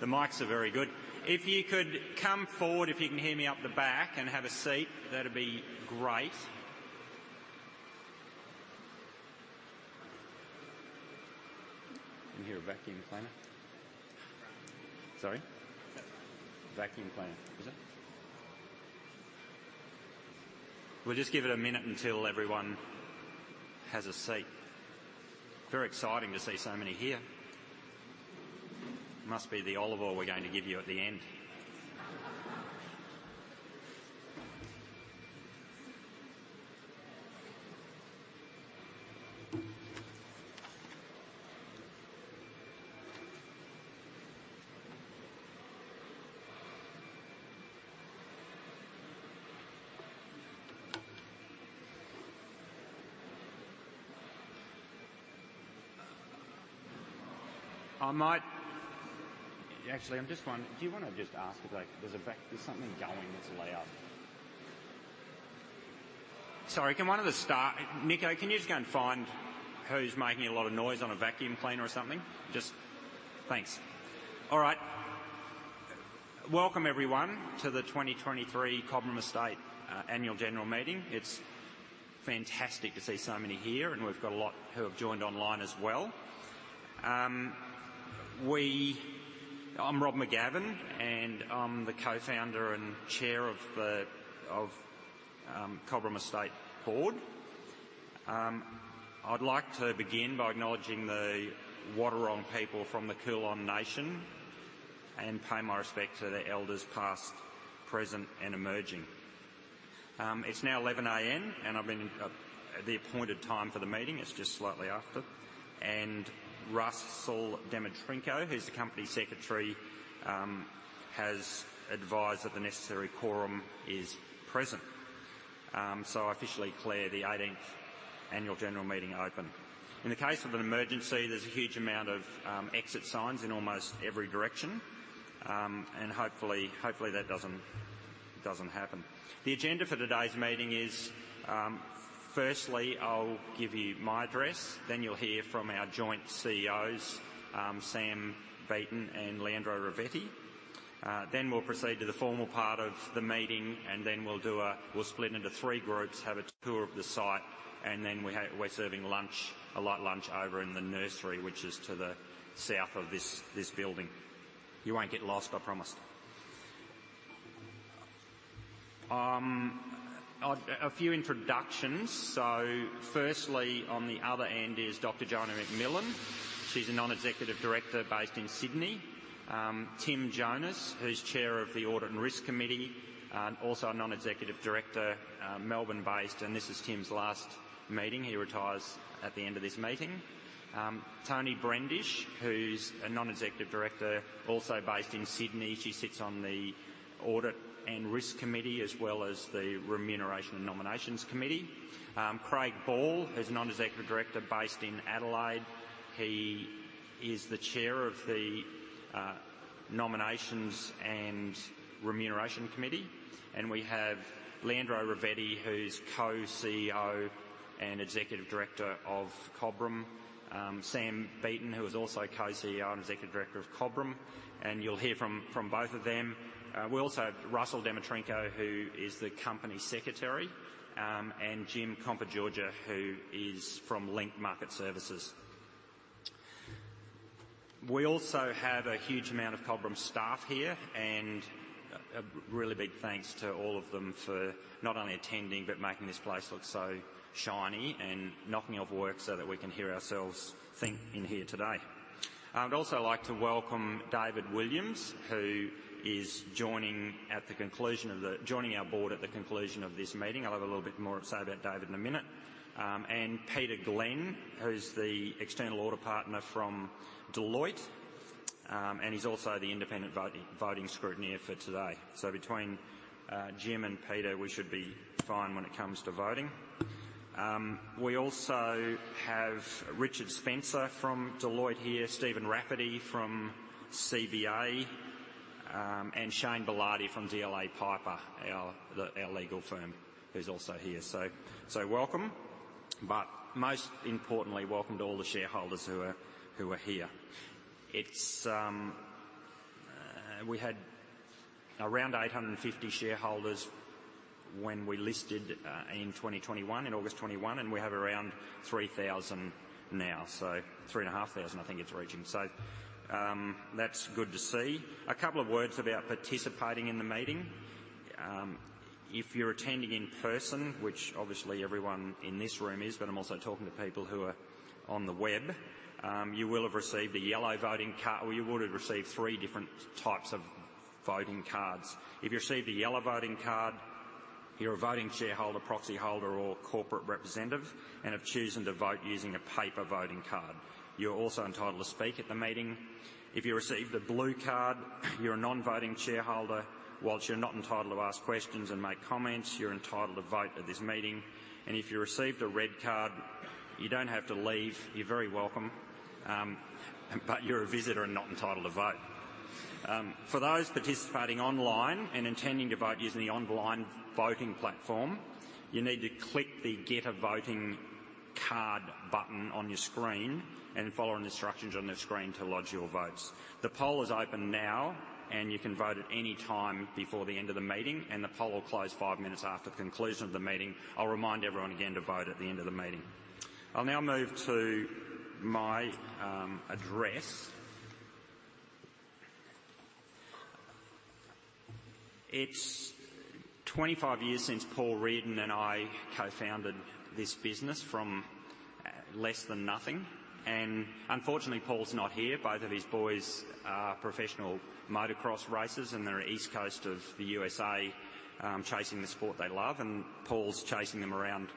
The mics are very good. If you could come forward, if you can hear me up the back, and have a seat, that'd be great. Can you hear a vacuum cleaner? Sorry? Vacuum cleaner, is it? We'll just give it a minute until everyone has a seat. Very exciting to see so many here. Must be the olive oil we're going to give you at the end. Actually, do you want to just ask if like, there's something going that's loud. Sorry, can one of the staff, Nico, can you just go and find who's making a lot of noise on a vacuum cleaner or something? Just. Thanks. All right. Welcome everyone, to the 2023 Cobram Estate Annual General Meeting. It's fantastic to see so many here, and we've got a lot who have joined online as well. I'm Rob McGavin, and I'm the Co-Founder and Chair of the Cobram Estate Board. I'd like to begin by acknowledging the Wathaurong people from the Kulin Nation, and pay my respects to the elders past, present, and emerging. It's now 11 A.M., and I've been at the appointed time for the meeting. It's just slightly after. Russell Dmytrenko, who's the Company Secretary, has advised that the necessary quorum is present. So I officially declare the 18th Annual General Meeting open. In the case of an emergency, there's a huge amount of exit signs in almost every direction. And hopefully, hopefully, that doesn't, doesn't happen. The agenda for today's meeting is, firstly, I'll give you my address, then you'll hear from our Joint-CEOs, Sam Beaton and Leandro Ravetti. Then we'll proceed to the formal part of the meeting, and then we'll split into three groups, have a tour of the site, and then we're serving lunch, a light lunch over in the nursery, which is to the south of this building. You won't get lost, I promise. A few introductions. So firstly, on the other end is Dr. Joanna McMillan. She's a Non-Executive Director based in Sydney. Tim Jonas, who's Chair of the Audit and Risk Committee, also a Non-Executive Director, Melbourne-based. And this is Tim's last meeting. He retires at the end of this meeting. Toni Brendish, who's a Non-Executive Director, also based in Sydney. She sits on the Audit and Risk Committee, as well as the Remuneration and Nominations Committee. Craig Ball is a Non-Executive Director based in Adelaide. He is the Chair of the Nominations and Remuneration Committee. We have Leandro Ravetti, who's Co-CEO and Executive Director of Cobram. Sam Beaton, who is also Co-CEO and Executive Director of Cobram, and you'll hear from both of them. We also have Russell Dmytrenko, who is the Company Secretary, and Jim Kompogiorgas, who is from Link Market Services. We also have a huge amount of Cobram staff here, and a really big thanks to all of them for not only attending, but making this place look so shiny and knocking off work so that we can hear ourselves think in here today. I'd also like to welcome David Williams, who is joining our Board at the conclusion of this meeting. I'll have a little bit more to say about David in a minute. And Peter Glynn, who's the external audit partner from Deloitte, and he's also the independent voting scrutineer for today. So between Jim and Peter, we should be fine when it comes to voting. We also have Richard Spencer from Deloitte here, Stephen Rafferty from CBA, and Shane Bilardi from DLA Piper, our legal firm, who's also here. So welcome. But most importantly, welcome to all the shareholders who are here. It's we had around 850 shareholders when we listed in 2021, in August 2021, and we have around 3,000 now, so 3,500 I think it's reaching. So that's good to see. A couple of words about participating in the meeting. If you're attending in person, which obviously everyone in this room is, but I'm also talking to people who are on the web, you will have received a yellow voting card, or you would have received three different types of voting cards. If you received a yellow voting card, you're a voting shareholder, proxy holder, or corporate representative and have chosen to vote using a paper voting card. You're also entitled to speak at the meeting. If you received a blue card, you're a non-voting shareholder. While you're not entitled to ask questions and make comments, you're entitled to vote at this meeting. If you received a red card, you don't have to leave. You're very welcome, but you're a visitor and not entitled to vote. For those participating online and intending to vote using the online voting platform, you need to click the "Get a Voting Card" button on your screen and follow the instructions on the screen to lodge your votes. The poll is open now, and you can vote at any time before the end of the meeting, and the poll will close 5 minutes after the conclusion of the meeting. I'll remind everyone again to vote at the end of the meeting. I'll now move to my address. It's 25 years since Paul Riordan and I co-founded this business from less than nothing, and unfortunately, Paul's not here. Both of his boys are professional motocross racers, and they're east coast of the USA, chasing the sport they love, and Paul's chasing them around,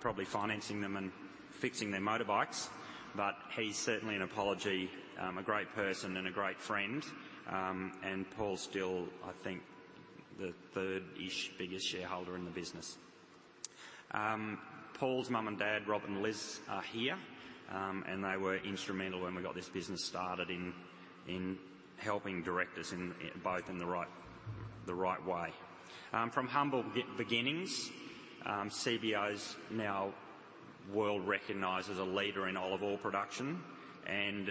probably financing them and fixing their motorbikes. But he's certainly an apology, a great person and a great friend. Paul's still, I think, the third-ish biggest shareholder in the business. Paul's mum and dad, Rob and Liz, are here, and they were instrumental when we got this business started in helping direct us in the right way. From humble beginnings, CBO's now world-recognized as a leader in olive oil production, and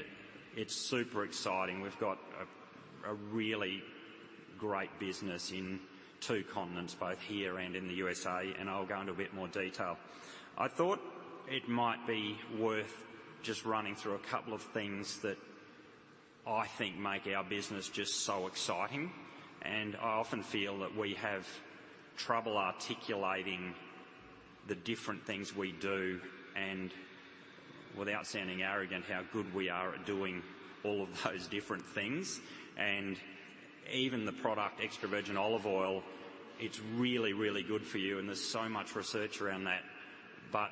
it's super exciting. We've got a really great business in two continents, both here and in the USA, and I'll go into a bit more detail. I thought it might be worth just running through a couple of things that I think make our business just so exciting, and I often feel that we have trouble articulating the different things we do, and without sounding arrogant, how good we are at doing all of those different things. Even the product, extra virgin olive oil, it's really, really good for you, and there's so much research around that, but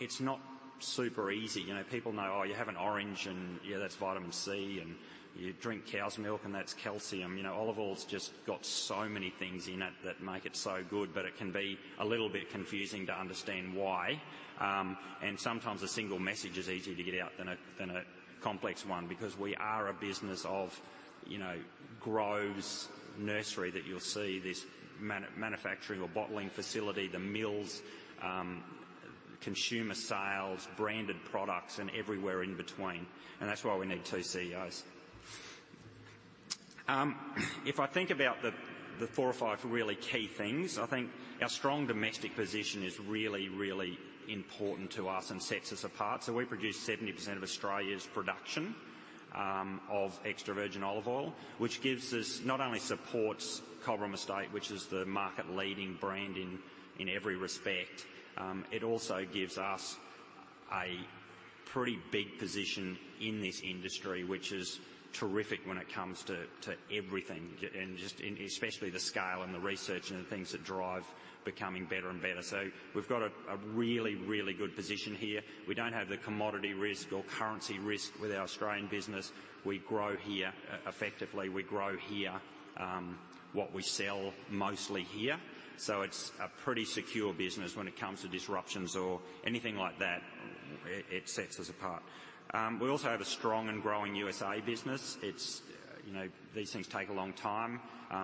it's not super easy. You know, people know, oh, you have an orange, and, yeah, that's vitamin C, and you drink cow's milk, and that's calcium. You know, olive oil's just got so many things in it that make it so good, but it can be a little bit confusing to understand why. And sometimes a single message is easier to get out than a, than a complex one, because we are a business of, you know, groves, nursery, that you'll see manufacturing or bottling facility, the mills, consumer sales, branded products, and everywhere in between, and that's why we need two CEOs. If I think about the four or five really key things, I think our strong domestic position is really, really important to us and sets us apart. So we produce 70% of Australia's production of extra virgin olive oil, which gives us not only supports Cobram Estate, which is the market-leading brand in, in every respect, it also gives us a pretty big position in this industry, which is terrific when it comes to, to everything, and just in especially the scale and the research and the things that drive becoming better and better. So we've got a, a really, really good position here. We don't have the commodity risk or currency risk with our Australian business. We grow here, effectively, we grow here, what we sell mostly here, so it's a pretty secure business when it comes to disruptions or anything like that. It, it sets us apart. We also have a strong and growing USA business. It's, you know, these things take a long time,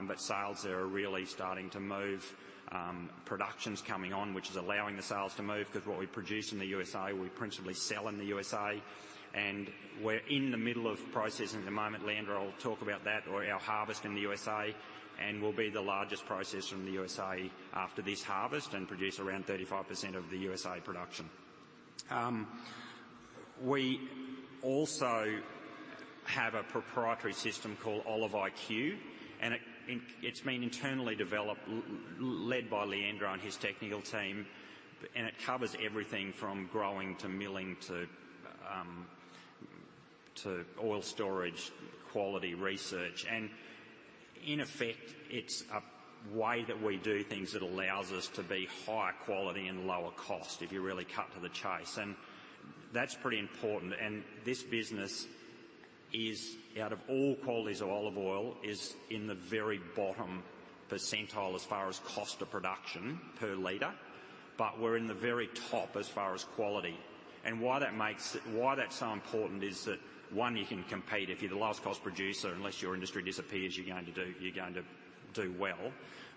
but sales are really starting to move. Production's coming on, which is allowing the sales to move, because what we produce in the USA, we principally sell in the USA, and we're in the middle of processing at the moment. Leandro will talk about that or our harvest in the USA, and we'll be the largest processor in the USA after this harvest and produce around 35% of the USA production. We also have a proprietary system called Oliv.iQ, and it, it's been internally developed, led by Leandro and his technical team, and it covers everything from growing, to milling, to oil storage, quality, research, and in effect, it's a way that we do things that allows us to be higher quality and lower cost, if you really cut to the chase. That's pretty important. This business is, out of all qualities of olive oil, in the very bottom percentile as far as cost of production per liter, but we're in the very top as far as quality. Why that's so important is that, one, you can compete. If you're the lowest cost producer, unless your industry disappears, you're going to do well.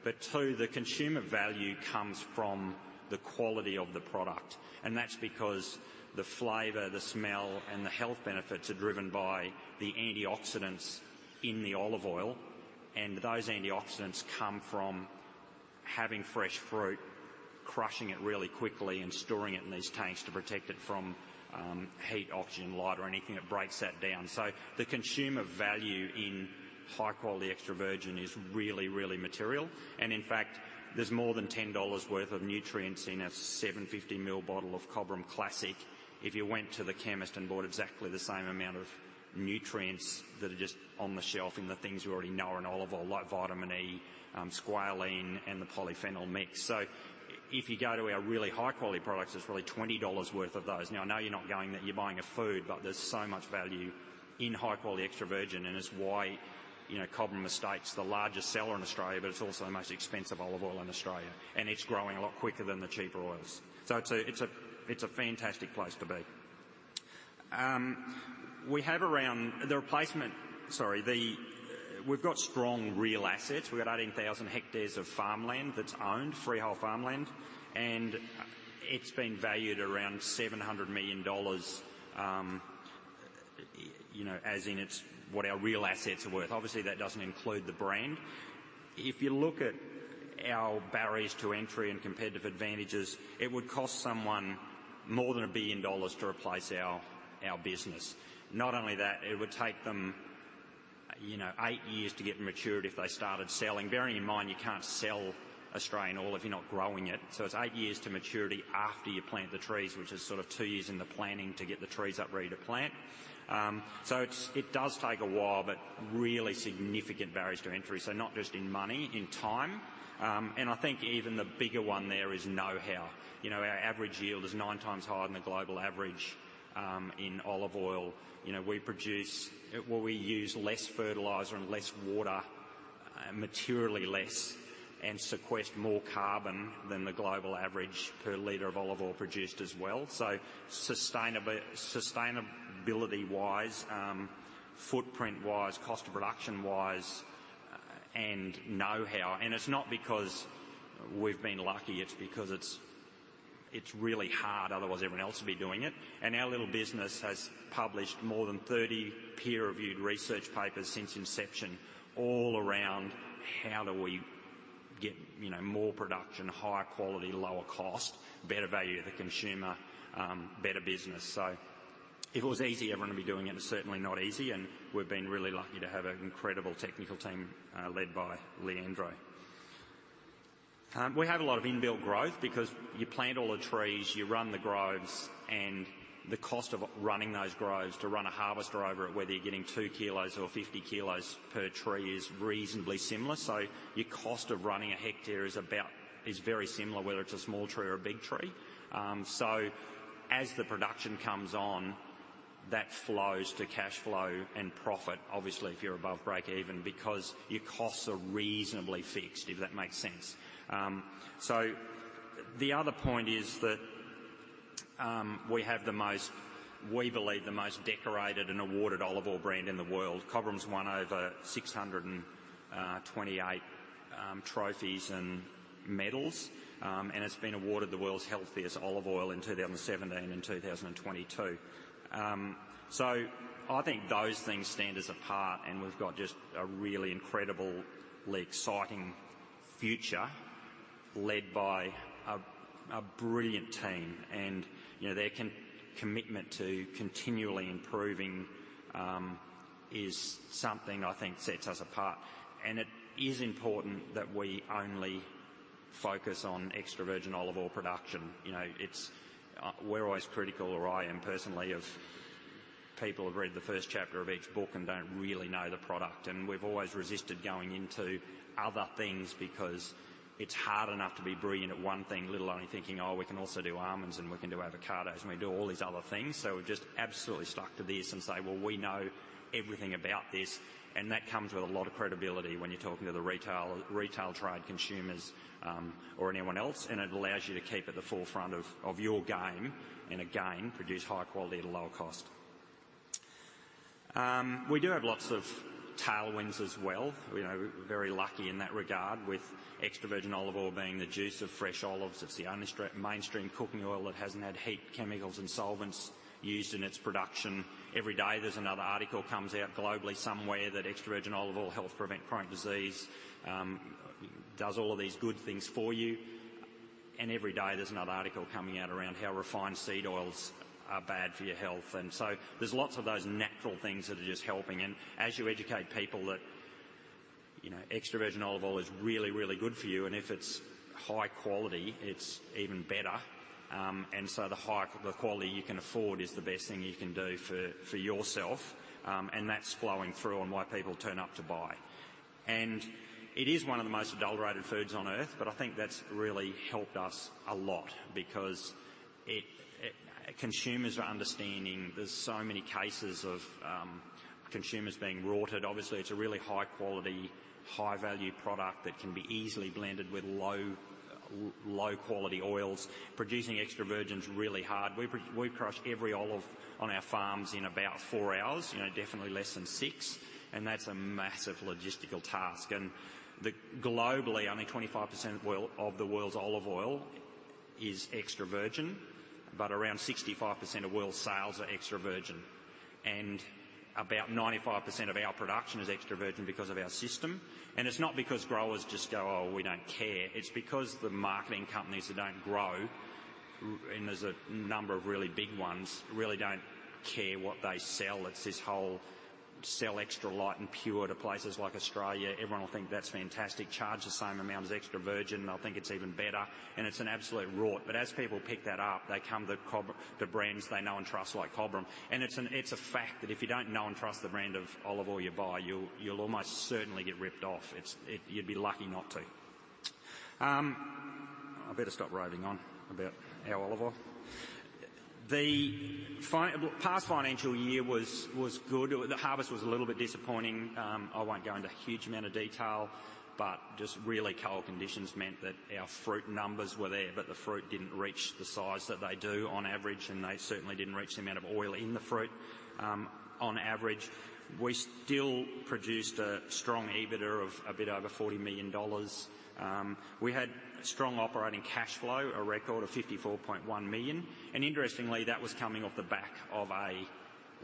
But two, the consumer value comes from the quality of the product, and that's because the flavor, the smell, and the health benefits are driven by the antioxidants in the olive oil. Those antioxidants come from having fresh fruit, crushing it really quickly, and storing it in these tanks to protect it from heat, oxygen, light, or anything that breaks that down. So the consumer value in high-quality extra virgin is really, really material, and in fact, there's more than 10 dollars worth of nutrients in a 750 ml bottle of Cobram Classic. If you went to the chemist and bought exactly the same amount of nutrients that are just on the shelf, and the things you already know are in olive oil, like vitamin E, squalene, and the polyphenol mix. So if you go to our really high-quality products, there's probably 20 dollars worth of those. Now, I know you're not going that. You're buying a food, but there's so much value in high-quality extra virgin, and it's why, you know, Cobram Estate's the largest seller in Australia, but it's also the most expensive olive oil in Australia, and it's growing a lot quicker than the cheaper oils. So it's a, it's a, it's a fantastic place to be. We have around the replacement, sorry, we've got strong real assets. We've got 18,000 hectares of farmland that's owned, freehold farmland, and it's been valued around 700 million dollars. You know, as in it's what our real assets are worth. Obviously, that doesn't include the brand. If you look at our barriers to entry and competitive advantages, it would cost someone more than 1 billion dollars to replace our, our business. Not only that, it would take them, you know, 8 years to get maturity if they started selling, bearing in mind you can't sell Australian oil if you're not growing it. So it's 8 years to maturity after you plant the trees, which is sort of 2 years in the planning to get the trees up, ready to plant. So it's, it does take a while, but really significant barriers to entry. So not just in money, in time. And I think even the bigger one there is know-how. You know, our average yield is 9x higher than the global average in olive oil You know, well, we use less fertilizer and less water, materially less, and sequester more carbon than the global average per liter of olive oil produced as well. So sustainability-wise, footprint-wise, cost of production-wise, and know-how. And it's not because we've been lucky, it's because it's really hard, otherwise everyone else would be doing it. And our little business has published more than 30 peer-reviewed research papers since inception, all around how do we get, you know, more production, higher quality, lower cost, better value to the consumer, better business. So if it was easy, everyone would be doing it. It's certainly not easy, and we've been really lucky to have an incredible technical team led by Leandro. We have a lot of inbuilt growth because you plant all the trees, you run the groves, and the cost of running those groves to run a harvester over it, whether you're getting 2 kg or 50 kg per tree, is reasonably similar. So your cost of running a hectare is about, is very similar, whether it's a small tree or a big tree. So as the production comes on, that flows to cash flow and profit, obviously, if you're above breakeven, because your costs are reasonably fixed, if that makes sense. So the other point is that we have the most, we believe, the most decorated and awarded olive oil brand in the world. Cobram's won over 628 trophies and medals. and it's been awarded the world's healthiest olive oil in 2017 and 2022. So I think those things stand us apart, and we've got just a really incredibly exciting future led by a, a brilliant team, and, you know, their commitment to continually improving, is something I think sets us apart. And it is important that we only focus on extra virgin olive oil production. You know, it's, we're always critical, or I am personally, of people who've read the first chapter of each book and don't really know the product, and we've always resisted going into other things because it's hard enough to be brilliant at one thing, let alone thinking, "Oh, we can also do almonds, and we can do avocados, and we can do all these other things." So we've just absolutely stuck to this and say, "Well, we know everything about this." And that comes with a lot of credibility when you're talking to the retail, retail trade, consumers, or anyone else, and it allows you to keep at the forefront of your game, and again, produce high quality at a lower cost. We do have lots of tailwinds as well. You know, very lucky in that regard, with extra virgin olive oil being the juice of fresh olives. It's the only mainstream cooking oil that hasn't had heat, chemicals, and solvents used in its production. Every day, there's another article comes out globally somewhere that extra virgin olive oil helps prevent chronic disease, does all of these good things for you. And every day there's another article coming out around how refined seed oils are bad for your health. And so there's lots of those natural things that are just helping. And as you educate people that, you know, extra virgin olive oil is really, really good for you, and if it's high quality, it's even better. And so the high, the quality you can afford is the best thing you can do for, for yourself. And that's flowing through on why people turn up to buy. And it is one of the most adulterated foods on Earth, but I think that's really helped us a lot because it Consumers are understanding there's so many cases of consumers being rorted. Obviously, it's a really high-quality, high-value product that can be easily blended with low, low-quality oils. Producing extra virgin is really hard. We crush every olive on our farms in about 4 hours, you know, definitely less than 6, and that's a massive logistical task. And globally, only 25% of oil, of the world's olive oil is extra virgin, but around 65% of world sales are extra virgin, and about 95% of our production is extra virgin because of our system. And it's not because growers just go, "Oh, we don't care." It's because the marketing companies that don't grow, and there's a number of really big ones, really don't care what they sell. It's this whole sell extra light and pure to places like Australia. Everyone will think that's fantastic, charge the same amount as extra virgin, and they'll think it's even better, and it's an absolute rort. But as people pick that up, they come to the brands they know and trust, like Cobram. And it's a fact that if you don't know and trust the brand of olive oil you buy, you'll almost certainly get ripped off. It's you'd be lucky not to. I better stop raving on about our olive oil. The past financial year was good. The harvest was a little bit disappointing. I won't go into a huge amount of detail, but just really cold conditions meant that our fruit numbers were there, but the fruit didn't reach the size that they do on average, and they certainly didn't reach the amount of oil in the fruit, on average. We still produced a strong EBITDA of a bit over 40 million dollars. We had strong operating cash flow, a record of 54.1 million, and interestingly, that was coming off the back of a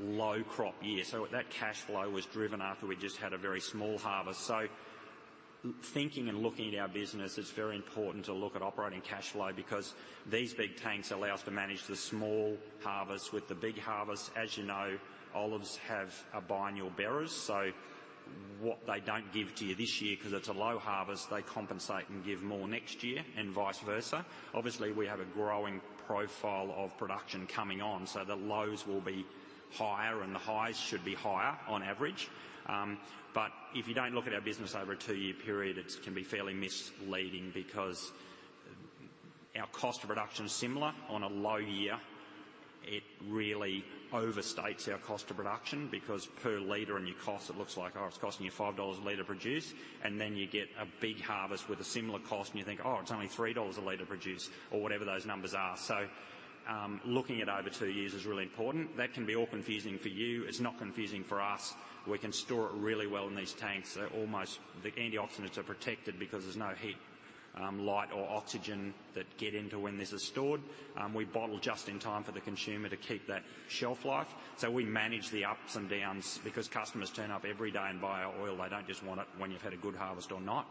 low crop year. So that cash flow was driven after we just had a very small harvest. So, thinking and looking at our business, it's very important to look at operating cash flow because these big tanks allow us to manage the small harvests with the big harvests. As you know, olives are biennial bearing, so what they don't give to you this year, 'cause it's a low harvest, they compensate and give more next year, and vice versa. Obviously, we have a growing profile of production coming on, so the lows will be higher and the highs should be higher on average. But if you don't look at our business over a two-year period, it can be fairly misleading because our cost of production is similar. On a low year, it really overstates our cost of production, because per liter in your cost, it looks like, oh, it's costing you 5 dollars a liter to produce, and then you get a big harvest with a similar cost and you think, "Oh, it's only 3 dollars a liter to produce," or whatever those numbers are. So, looking at over two years is really important. That can be all confusing for you. It's not confusing for us. We can store it really well in these tanks, so almost the antioxidants are protected because there's no heat, light or oxygen that get into when this is stored. We bottle just in time for the consumer to keep that shelf life. So we manage the ups and downs because customers turn up every day and buy our oil. They don't just want it when you've had a good harvest or not.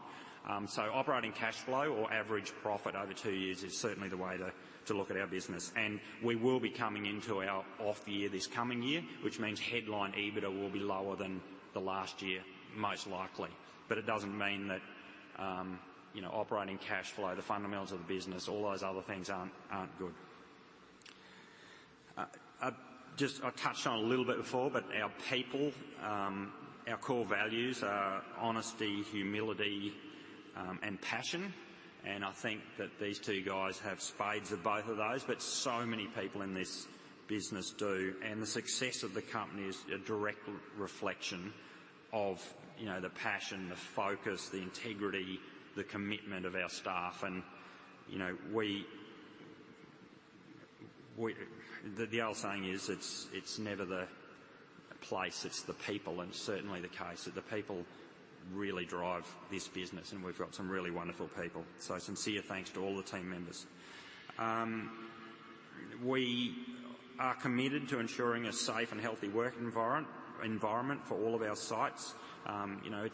So operating cash flow or average profit over two years is certainly the way to look at our business. And we will be coming into our off year, this coming year, which means headline EBITDA will be lower than the last year, most likely. But it doesn't mean that, you know, operating cash flow, the fundamentals of the business, all those other things aren't, aren't good. I just - I touched on it a little bit before, but our people, our core values are honesty, humility, and passion. And I think that these two guys have spades of both of those, but so many people in this business do. And the success of the company is a direct reflection of, you know, the passion, the focus, the integrity, the commitment of our staff. And, you know, we, we... The old saying is, "It's, it's never the place, it's the people," and certainly the case, that the people really drive this business, and we've got some really wonderful people. So sincere thanks to all the team members. We are committed to ensuring a safe and healthy work environment for all of our sites. You know,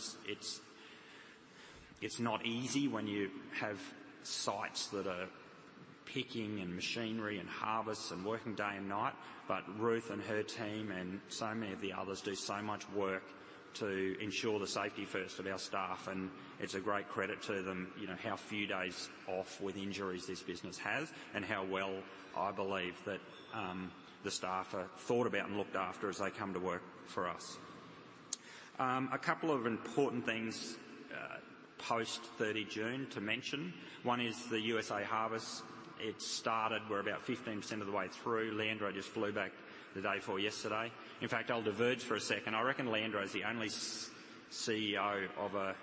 it's not easy when you have sites that are picking, and machinery, and harvests, and working day and night, but Ruth and her team, and so many of the others, do so much work to ensure the safety first of our staff, and it's a great credit to them, you know, how few days off with injuries this business has and how well I believe that the staff are thought about and looked after as they come to work for us. A couple of important things post 30 June to mention. One is the USA harvest. It's started. We're about 15% of the way through. Leandro just flew back the day before yesterday. In fact, I'll diverge for a second. I reckon Leandro is the only CEO of a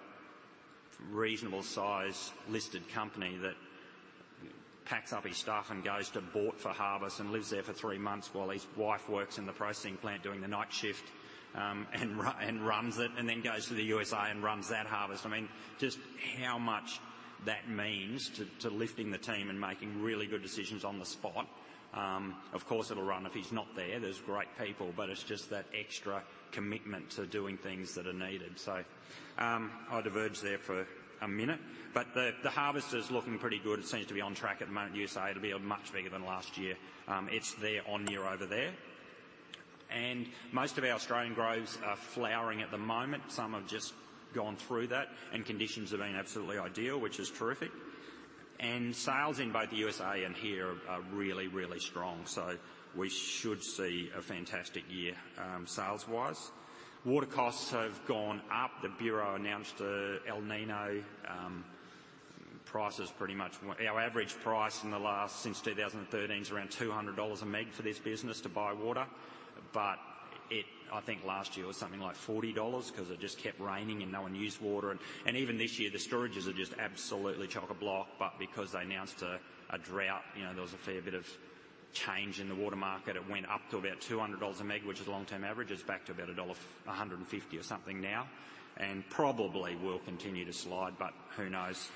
reasonable-sized listed company that packs up his stuff and goes to Boort for harvest and lives there for three months while his wife works in the processing plant, doing the night shift, and runs it, and then goes to the USA and runs that harvest. I mean, just how much that means to lifting the team and making really good decisions on the spot. Of course, it'll run if he's not there. There's great people, but it's just that extra commitment to doing things that are needed. So, I'll diverge there for a minute, but the harvest is looking pretty good. It seems to be on track at the moment. USA, it'll be much bigger than last year. It's their on year over there. Most of our Australian groves are flowering at the moment. Some have just gone through that, and conditions have been absolutely ideal, which is terrific. And sales in both the USA and here are really, really strong, so we should see a fantastic year, sales-wise. Water costs have gone up. The Bureau announced a El Niño, price is pretty much-- Our average price in the last, since 2013, is around AUD 200 a meg for this business to buy water. But it... I think last year was something like AUD 40 because it just kept raining, and no one used water. And even this year, the storages are just absolutely chock-a-block. But because they announced a drought, you know, there was a fair bit of change in the water market. It went up to about 200 dollars a meg, which is a long-term average. It's back to about dollar 1,150 or something now, and probably will continue to slide, but who knows?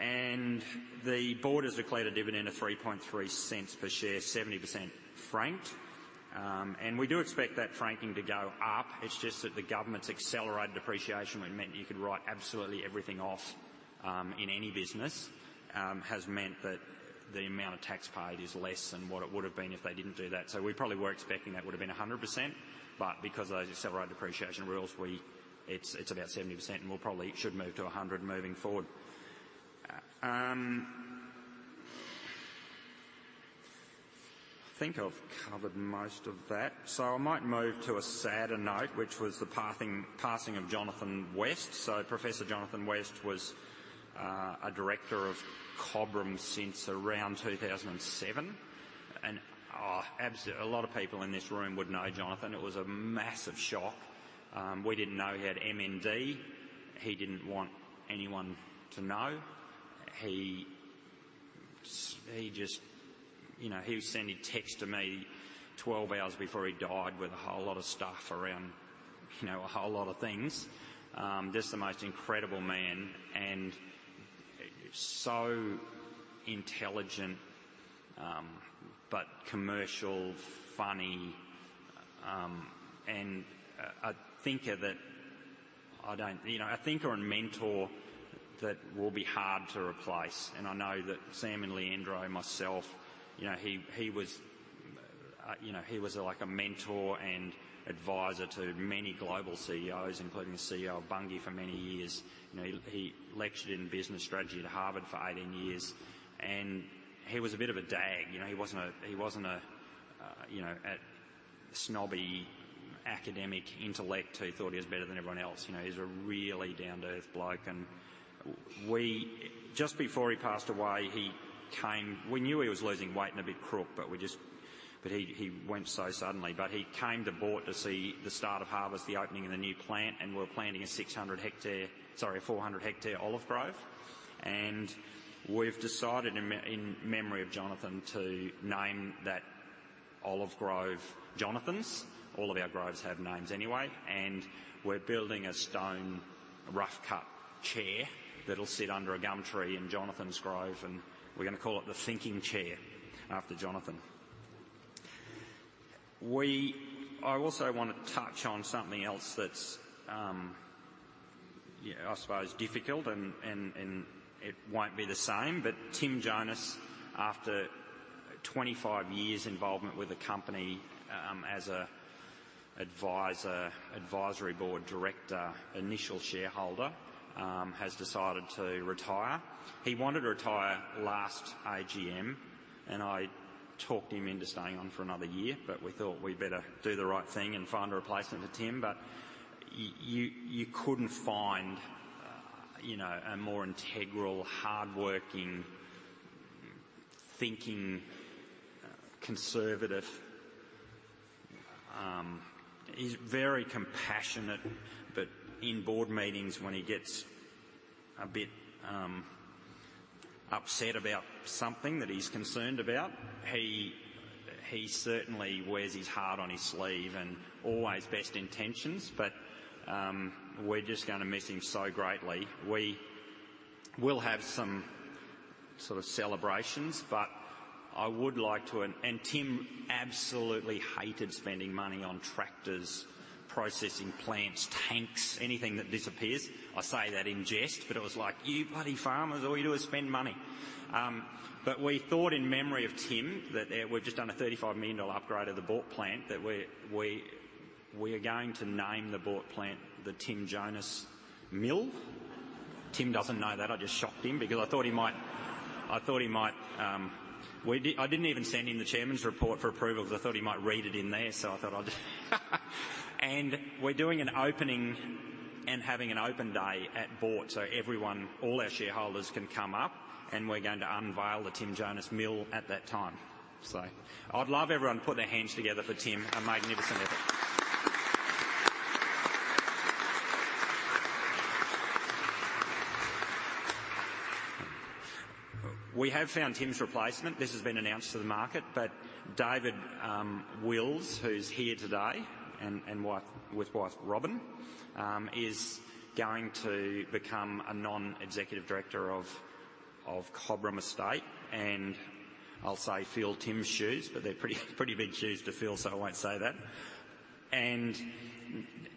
The Board has declared a dividend of 0.033 per share, 70% franked. We do expect that franking to go up. It's just that the government's accelerated depreciation, where it meant you could write absolutely everything off, in any business, has meant that the amount of tax paid is less than what it would have been if they didn't do that. So we probably were expecting that would have been 100%, but because of those accelerated depreciation rules, it's about 70%, and we'll probably should move to 100% moving forward. I think I've covered most of that. So I might move to a sadder note, which was the passing of Jonathan West. So Professor Jonathan West was a director of Cobram since around 2007. And, oh, a lot of people in this room would know Jonathan. It was a massive shock. We didn't know he had MND. He didn't want anyone to know. He just, you know, he was sending texts to me 12 hours before he died with a whole lot of stuff around, you know, a whole lot of things. Just the most incredible man and so intelligent, but commercial, funny, and a thinker that I don't, you know, a thinker and mentor that will be hard to replace. I know that Sam and Leandro and myself, you know, he, he was, you know, he was like a mentor and advisor to many global CEOs, including the CEO of Bunge for many years. You know, he, he lectured in business strategy at Harvard for 18 years, and he was a bit of a dag. You know, he wasn't a, he wasn't a, you know, a snobby academic intellect who thought he was better than everyone else. You know, he was a really down-to-earth bloke, and we, just before he passed away, he came. We knew he was losing weight and a bit crook, but we just, but he, he went so suddenly. But he came to Boort to see the start of harvest, the opening of the new plant, and we're planting a 600-hectare, sorry, a 400-hectare olive grove. And we've decided in memory of Jonathan to name that olive grove, Jonathan's. All of our groves have names anyway, and we're building a stone, rough-cut chair that'll sit under a gum tree in Jonathan's grove, and we're going to call it the Thinking Chair after Jonathan. I also want to touch on something else that's, I suppose difficult and it won't be the same. But Tim Jonas, after 25 years involvement with the company, as a advisor, Advisory Board Director, initial shareholder, has decided to retire. He wanted to retire last AGM, and I talked him into staying on for another year, but we thought we'd better do the right thing and find a replacement for Tim. But you couldn't find, you know, a more integral, hardworking, thinking, conservative. He's very compassionate, but in Board Meetings, when he gets a bit upset about something that he's concerned about, he certainly wears his heart on his sleeve and always best intentions, but we're just going to miss him so greatly. We will have some sort of celebrations, but I would like to, and Tim absolutely hated spending money on tractors, processing plants, tanks, anything that disappears. I say that in jest, but it was like: "You bloody farmers, all you do is spend money." But we thought in memory of Tim, that we've just done a 35 million dollar upgrade of the Boort plant, that we're going to name the Boort plant, the Tim Jonas Mill. Tim doesn't know that. I just shocked him because I thought he might, I thought he might. We did. I didn't even send him the chairman's report for approval because I thought he might read it in there. So I thought I'd, and we're doing an opening and having an open day at Boort, so everyone, all our shareholders, can come up, and we're going to unveil the Tim Jonas Mill at that time. So I'd love everyone to put their hands together for Tim. A magnificent effort. We have found Tim's replacement. This has been announced to the market, but David Williams, who's here today with his wife Robyn, is going to become a non-executive director of Cobram Estate, and I'll say, "Fill Tim's shoes," but they're pretty big shoes to fill, so I won't say that. And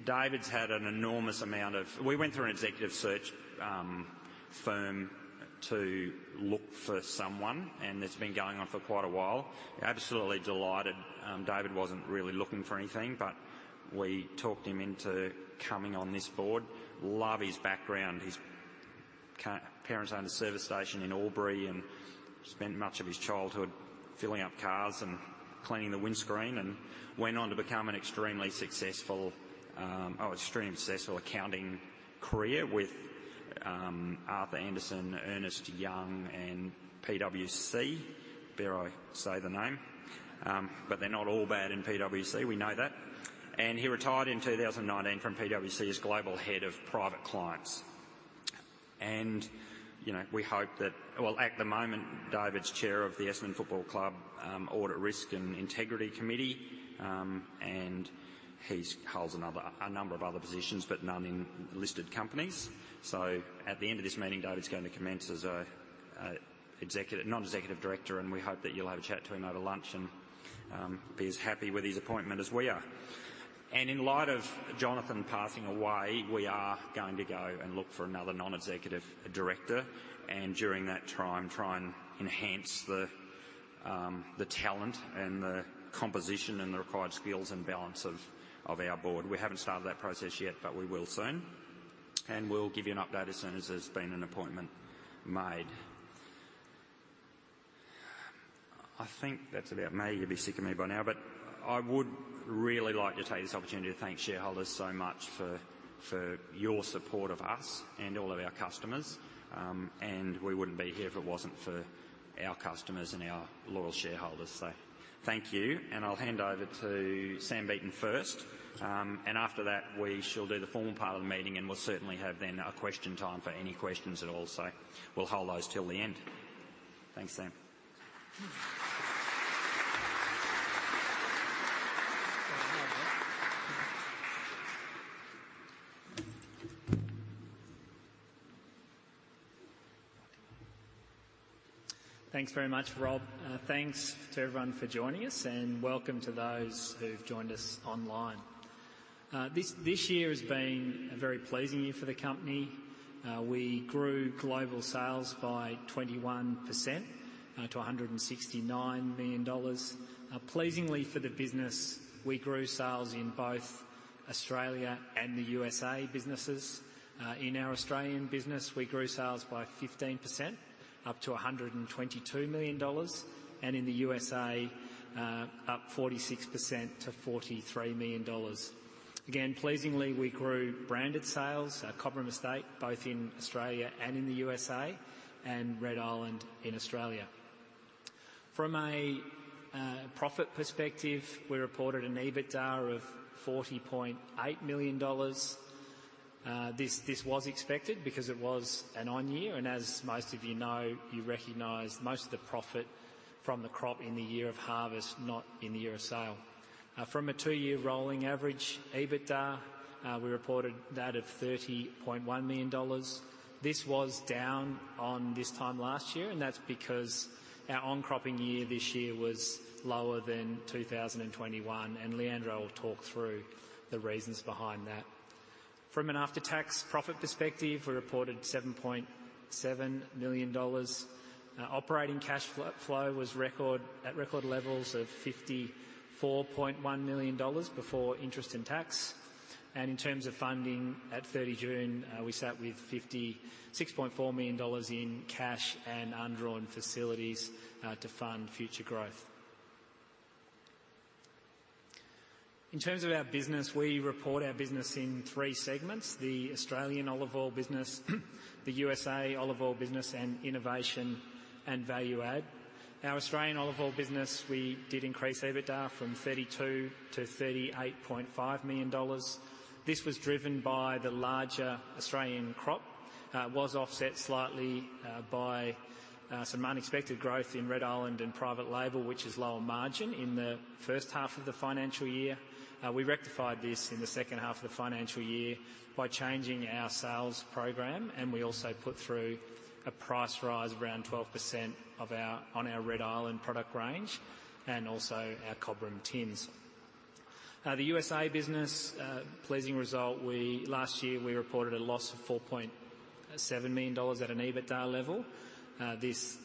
David's had an enormous amount of. We went through an executive search firm to look for someone, and it's been going on for quite a while. Absolutely delighted. David wasn't really looking for anything, but we talked him into coming on this Board. Love his background. His parents owned a service station in Albury and spent much of his childhood filling up cars and cleaning the windscreen, and went on to become an extremely successful accounting career with Arthur Andersen, Ernst & Young, and PwC, dare I say the name. But they're not all bad in PwC, we know that. And he retired in 2019 from PwC as Global Head of Private Clients. And, you know, we hope that. Well, at the moment, David's Chair of the Essendon Football Club Audit, Risk and Integrity Committee. And he holds another, a number of other positions, but none in listed companies. At the end of this meeting, David's going to commence as a, an Executive, Non-Executive Director, and we hope that you'll have a chat to him over lunch and be as happy with his appointment as we are. In light of Jonathan passing away, we are going to go and look for another Non-Executive Director and during that time, try and enhance the, the talent and the composition and the required skills and balance of, of our Board. We haven't started that process yet, but we will soon, and we'll give you an update as soon as there's been an appointment made. I think that's about me. You'll be sick of me by now, but I would really like to take this opportunity to thank shareholders so much for your support of us and all of our customers. We wouldn't be here if it wasn't for our customers and our loyal shareholders. So thank you, and I'll hand over to Sam Beaton first. After that, she'll do the formal part of the meeting, and we'll certainly have then a question time for any questions at all. So we'll hold those till the end. Thanks, Sam. Thanks very much, Rob. Thanks to everyone for joining us, and welcome to those who've joined us online. This year has been a very pleasing year for the company. We grew global sales by 21% to 169 million dollars. Pleasingly for the business, we grew sales in both Australia and the USA businesses. In our Australian business, we grew sales by 15%, up to 122 million dollars, and in the USA, up 46% to 43 million dollars. Again, pleasingly, we grew branded sales, Cobram Estate, both in Australia and in the USA, and Red Island in Australia. From a profit perspective, we reported an EBITDA of 40.8 million dollars. This was expected because it was an on year, and as most of you know, you recognize most of the profit from the crop in the year of harvest, not in the year of sale. From a two-year rolling average, EBITDA, we reported that of 30.1 million dollars. This was down on this time last year, and that's because our on-cropping year this year was lower than 2021, and Leandro will talk through the reasons behind that. From an after-tax profit perspective, we reported 7.7 million dollars. Operating cash flow was record, at record levels of 54.1 million dollars before interest and tax. In terms of funding, at 30 June, we sat with 56.4 million dollars in cash and undrawn facilities to fund future growth. In terms of our business, we report our business in three segments: the Australian Olive Oil business, the USA Olive Oil business, and innovation and value add. Our Australian Olive Oil business, we did increase EBITDA from 32 million-38.5 million dollars. This was driven by the larger Australian crop. It was offset slightly by some unexpected growth in Red Island and Private Label, which is lower margin in the first half of the financial year. We rectified this in the second half of the financial year by changing our sales program, and we also put through a price rise of around 12% on our Red Island product range and also our Cobram tins. The USA business, pleasing result, we last year, we reported a loss of 4.7 million dollars at an EBITDA level. This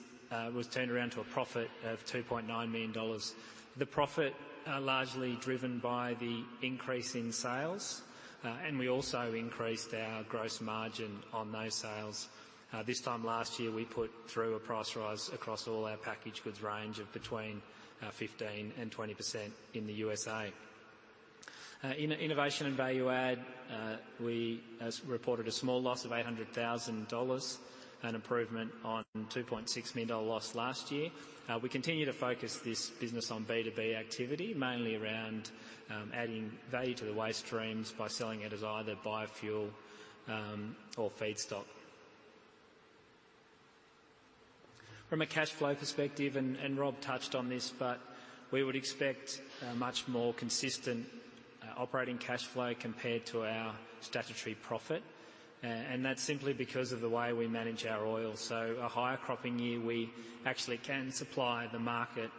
was turned around to a profit of 2.9 million dollars. The profit, largely driven by the increase in sales, and we also increased our gross margin on those sales. This time last year, we put through a price rise across all our packaged goods range of between 15%-20% in the USA. In innovation and value add, we reported a small loss of 800,000 dollars, an improvement on 2.6 million dollar loss last year. We continue to focus this business on B2B activity, mainly around adding value to the waste streams by selling it as either biofuel or feedstock. From a cash flow perspective, and Rob touched on this, but we would expect a much more consistent operating cash flow compared to our statutory profit, and that's simply because of the way we manage our oil. A higher cropping year, we actually can supply the market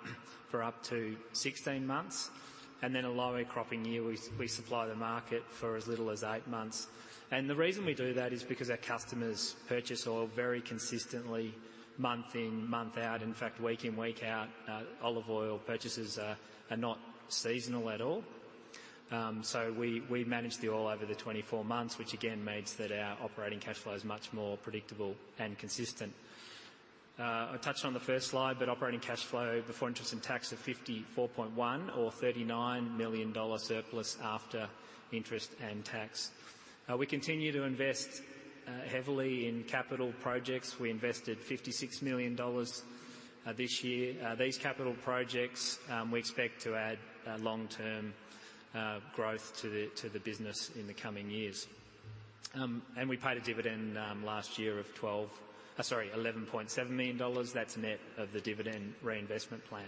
for up to 16 months, and then a lower cropping year, we supply the market for as little as 8 months. The reason we do that is because our customers purchase oil very consistently, month in, month out. In fact, week in, week out, olive oil purchases are not seasonal at all. We manage the oil over the 24 months, which again means that our operating cash flow is much more predictable and consistent. I touched on the first slide, but operating cash flow before interest and tax of 54.1 million or 39 million dollar surplus after interest and tax. We continue to invest heavily in capital projects. We invested 56 million dollars this year. These capital projects, we expect to add long-term growth to the, to the business in the coming years. And we paid a dividend last year of sorry, 11.7 million dollars. That's net of the dividend reinvestment plan.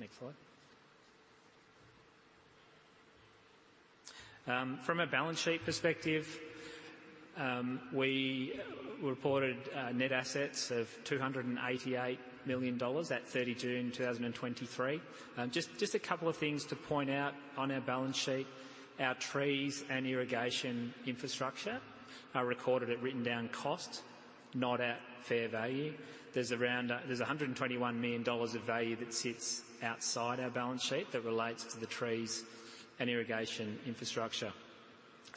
Next slide. From a balance sheet perspective, we reported net assets of 288 million dollars at 30 June 2023. Just a couple of things to point out on our balance sheet. Our trees and irrigation infrastructure are recorded at written-down costs. Not at fair value. There's around, there's 121 million dollars of value that sits outside our balance sheet that relates to the trees and irrigation infrastructure.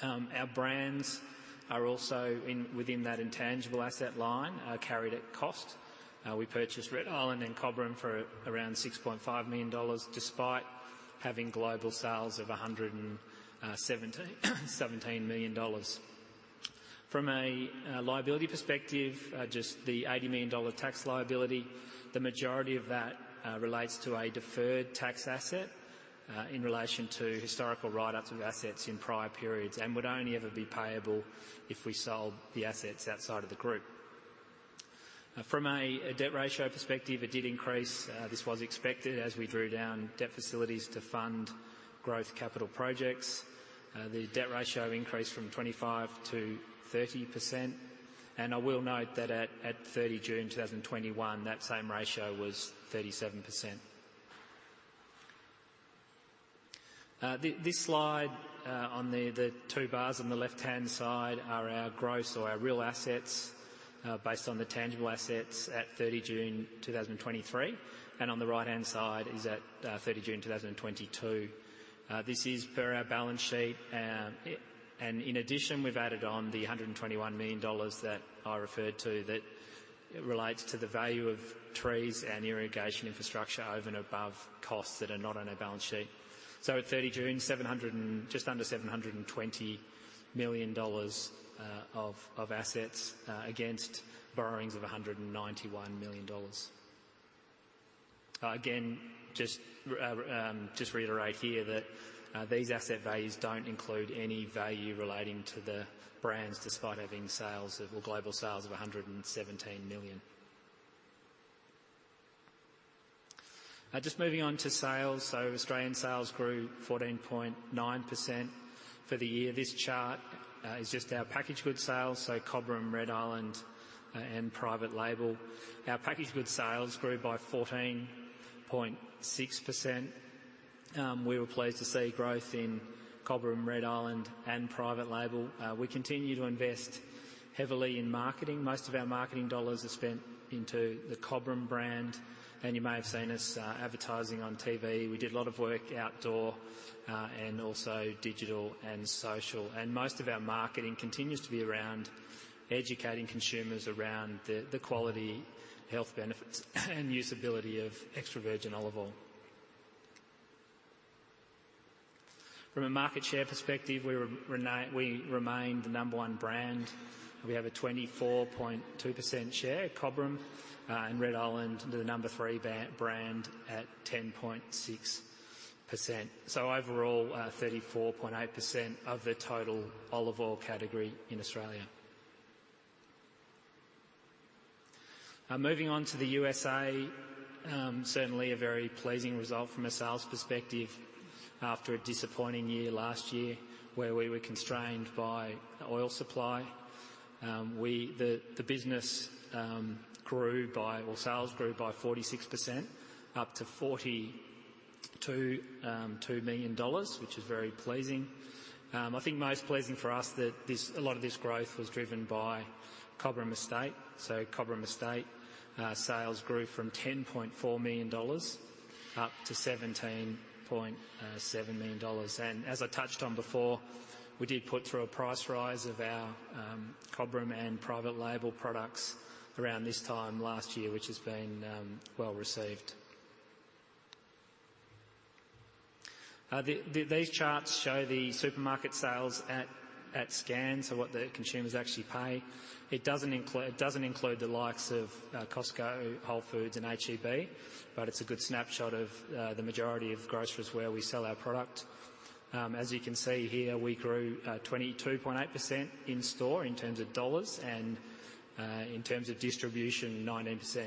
Our brands are also in, within that intangible asset line, carried at cost. We purchased Red Island and Cobram for around 6.5 million dollars, despite having global sales of 117 million dollars. From a liability perspective, just the 80 million dollar tax liability, the majority of that relates to a deferred tax asset, in relation to historical write-ups of assets in prior periods, and would only ever be payable if we sold the assets outside of the group. From a debt ratio perspective, it did increase. This was expected as we drew down debt facilities to fund growth capital projects. The debt ratio increased from 25%-30%, and I will note that at 30 June 2021, that same ratio was 37%. This slide, on the two bars on the left-hand side are our gross or our real assets, based on the tangible assets at 30 June 2023, and on the right-hand side is at 30 June 2022. This is per our balance sheet. In addition, we've added on the 121 million dollars that I referred to, that relates to the value of trees and irrigation infrastructure over and above costs that are not on our balance sheet. So at 30 June, just under 720 million dollars of assets against borrowings of 191 million dollars. Again, just to reiterate here that these asset values don't include any value relating to the brands, despite having sales of, or global sales of 117 million. Just moving on to sales. So Australian sales grew 14.9% for the year. This chart is just our packaged goods sales, so Cobram, Red Island, and Private Label. Our packaged goods sales grew by 14.6%. We were pleased to see growth in Cobram, Red Island, and Private Label. We continue to invest heavily in marketing. Most of our marketing dollars are spent into the Cobram brand, and you may have seen us advertising on TV. We did a lot of work outdoor, and also digital and social, and most of our marketing continues to be around educating consumers around the quality, health benefits, and usability of extra virgin olive oil. From a market share perspective, we remained the number one brand. We have a 24.2% share at Cobram, and Red Island, the number three brand at 10.6%. So overall, 34.8% of the total olive oil category in Australia. Moving on to the USA. Certainly a very pleasing result from a sales perspective, after a disappointing year last year, where we were constrained by oil supply. The business grew by, or sales grew by 46%, up to $42.2 million, which is very pleasing. I think most pleasing for us that a lot of this growth was driven by Cobram Estate. So Cobram Estate sales grew from 10.4 million dollars up to 17.7 million dollars, and as I touched on before, we did put through a price rise of our Cobram and private label products around this time last year, which has been well received. These charts show the supermarket sales at scan, so what the consumers actually pay. It doesn't include the likes of Costco, Whole Foods, and H-E-B, but it's a good snapshot of the majority of grocers where we sell our product. As you can see here, we grew 22.8% in store in terms of dollars and in terms of distribution, 19%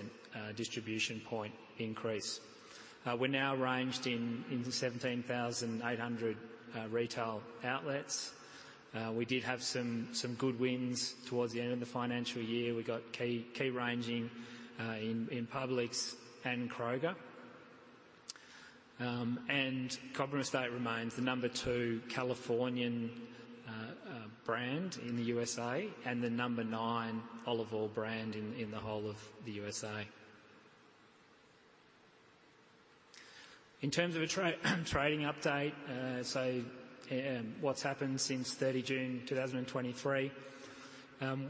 distribution point increase. We're now ranged in 17,800 retail outlets. We did have some good wins towards the end of the financial year. We got key ranging in Publix and Kroger. And Cobram Estate remains the number 2 Californian brand in the USA, and the number 9 olive oil brand in the whole of the USA. In terms of a trading update, what's happened since 30 June 2023.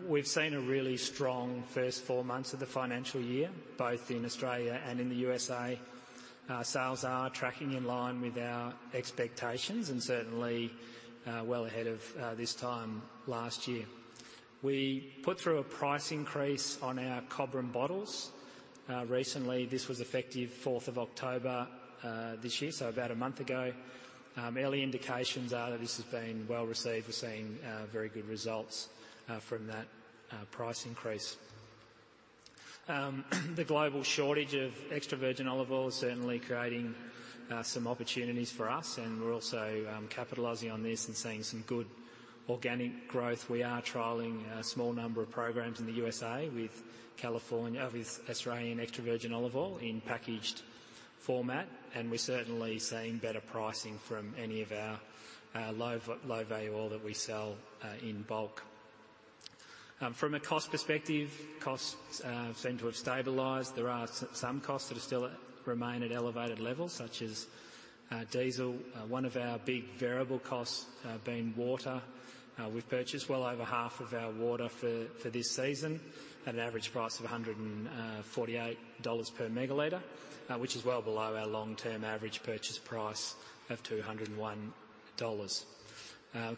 We've seen a really strong first 4 months of the financial year, both in Australia and in the USA. Sales are tracking in line with our expectations and certainly well ahead of this time last year. We put through a price increase on our Cobram bottles recently. This was effective fourth of October this year, so about a month ago. Early indications are that this has been well received. We're seeing very good results from that price increase. The global shortage of extra virgin olive oil is certainly creating some opportunities for us, and we're also capitalizing on this and seeing some good organic growth. We are trialing a small number of programs in the USA with Australian extra virgin olive oil in packaged format, and we're certainly seeing better pricing from any of our low-value oil that we sell in bulk. From a cost perspective, costs seem to have stabilized. There are some costs that are still remain at elevated levels, such as diesel. One of our big variable costs being water. We've purchased well over half of our water for this season at an average price of 148 dollars/ML, which is well below our long-term average purchase price of 201 dollars.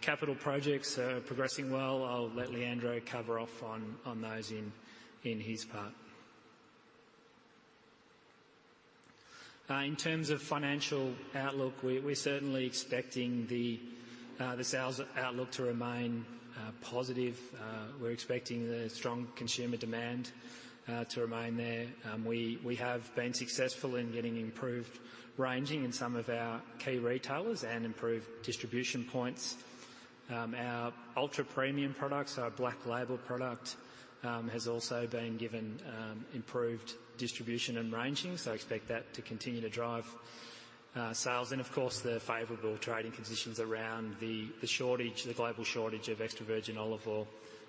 Capital projects are progressing well. I'll let Leandro cover off on those in his part. In terms of financial outlook, we're certainly expecting the sales outlook to remain positive. We're expecting the strong consumer demand to remain there. We have been successful in getting improved ranging in some of our key retailers and improved distribution points. Our ultra-premium products, our Black Label product, has also been given improved distribution and ranging, so I expect that to continue to drive sales. And of course, the favorable trading conditions around the shortage, the global shortage of extra virgin olive oil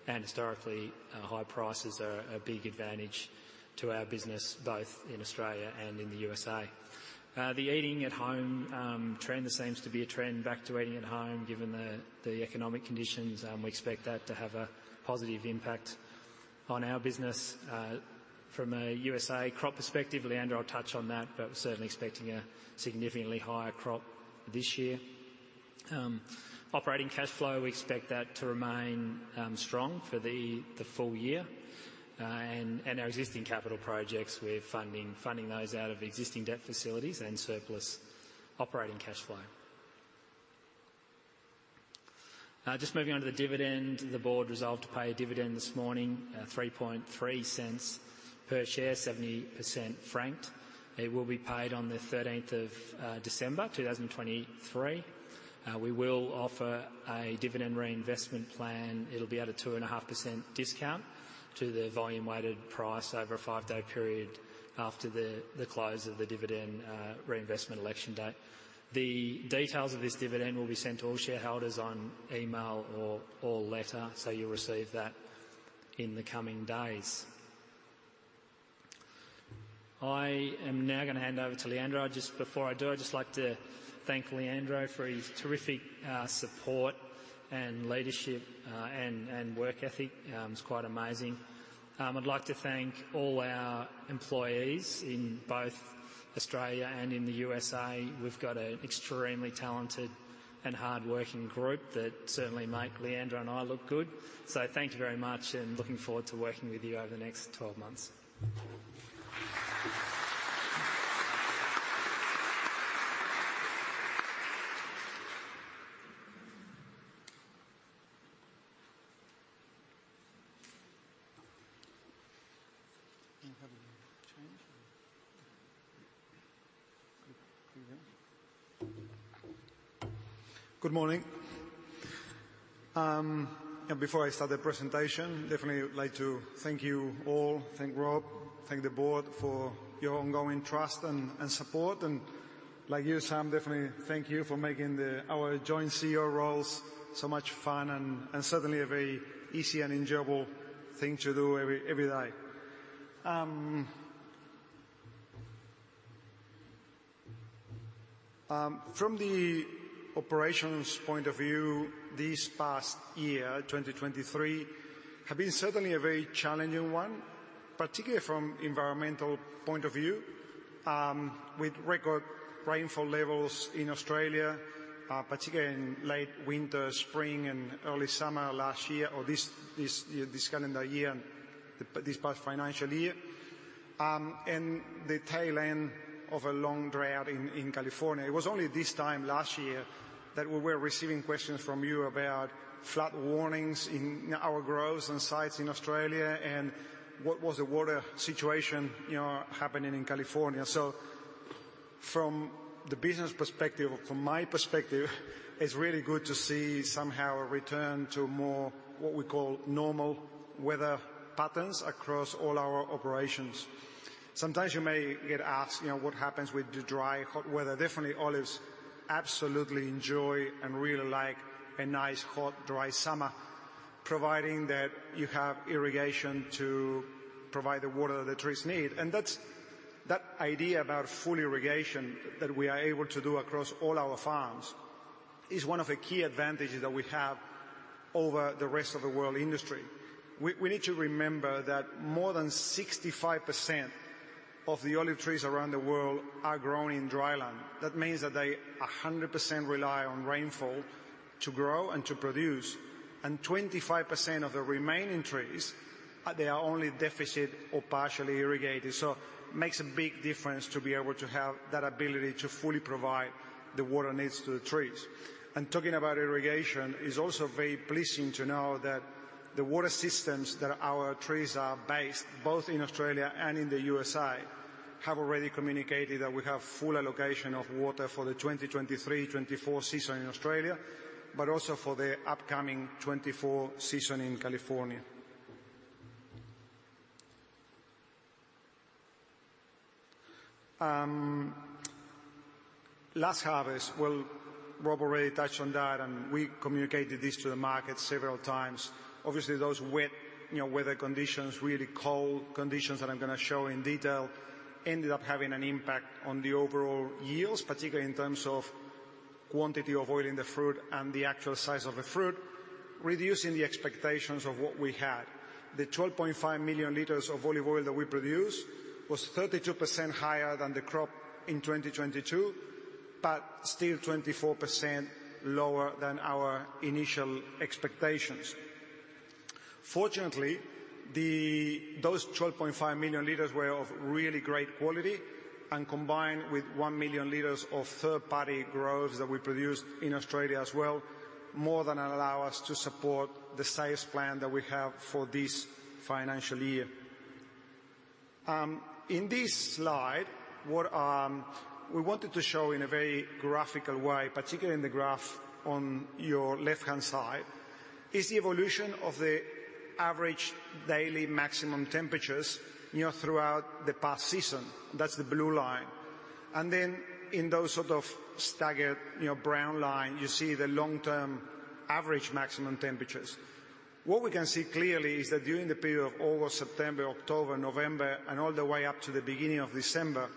and historically high prices are a big advantage to our business, both in Australia and in the USA. The eating at home trend. There seems to be a trend back to eating at home, given the economic conditions, and we expect that to have a positive impact on our business. From a USA crop perspective, Leandro will touch on that, but we're certainly expecting a significantly higher crop this year. Operating cash flow, we expect that to remain strong for the full year. And our existing capital projects, we're funding those out of existing debt facilities and surplus operating cash flow. Just moving on to the dividend. The Board resolved to pay a dividend this morning, 0.033 per share, 70% franked. It will be paid on the 13th of December 2023. We will offer a dividend reinvestment plan. It'll be at a 2.5% discount to the volume weighted price over a 5-day period after the close of the dividend reinvestment election date. The details of this dividend will be sent to all shareholders on email or letter, so you'll receive that in the coming days. I am now going to hand over to Leandro. Just before I do, I'd just like to thank Leandro for his terrific support and leadership, and work ethic. It's quite amazing. I'd like to thank all our employees in both Australia and in the USA. We've got an extremely talented and hardworking group that certainly make Leandro and I look good. So thank you very much, and looking forward to working with you over the next 12 months. Good morning. Before I start the presentation, definitely would like to thank you all. Thank Rob, thank the Board for your ongoing trust and support. And like you, Sam, definitely thank you for making our Joint-CEO roles so much fun and certainly a very easy and enjoyable thing to do every day. From the operations point of view, this past year, 2023, have been certainly a very challenging one, particularly from environmental point of view. With record rainfall levels in Australia, particularly in late winter, spring, and early summer last year, or this year, this calendar year, this past financial year, and the tail end of a long drought in California. It was only this time last year that we were receiving questions from you about flood warnings in our groves and sites in Australia, and what was the water situation, you know, happening in California. So from the business perspective, or from my perspective, it's really good to see somehow a return to more, what we call normal weather patterns across all our operations. Sometimes you may get asked, you know, what happens with the dry, hot weather? Definitely, olives absolutely enjoy and really like a nice, hot, dry summer, providing that you have irrigation to provide the water that the trees need. And that's, that idea about full irrigation that we are able to do across all our farms, is one of the key advantages that we have over the rest of the world industry. We need to remember that more than 65% of the olive trees around the world are grown in dry land. That means that they 100% rely on rainfall to grow and to produce, and 25% of the remaining trees, they are only deficit or partially irrigated. So makes a big difference to be able to have that ability to fully provide the water needs to the trees. And talking about irrigation, it's also very pleasing to know that the water systems that our trees are based, both in Australia and in the USA, have already communicated that we have full allocation of water for the 2023-2024 season in Australia, but also for the upcoming 2024 season in California. Last harvest, well, Rob already touched on that, and we communicated this to the market several times. Obviously, those wet, you know, weather conditions, really cold conditions that I'm going to show in detail, ended up having an impact on the overall yields, particularly in terms of quantity of oil in the fruit and the actual size of the fruit, reducing the expectations of what we had. The 12.5 million L of olive oil that we produced was 32% higher than the crop in 2022, but still 24% lower than our initial expectations. Fortunately, those 12.5 million L were of really great quality, and combined with 1 million L of third-party groves that we produced in Australia as well, more than allow us to support the sales plan that we have for this financial year. In this slide, we wanted to show in a very graphical way, particularly in the graph on your left-hand side, is the evolution of the average daily maximum temperatures, you know, throughout the past season. That's the blue line. And then in those sort of staggered, you know, brown line, you see the long-term average maximum temperatures. What we can see clearly is that during the period of August, September, October, November, and all the way up to the beginning of December,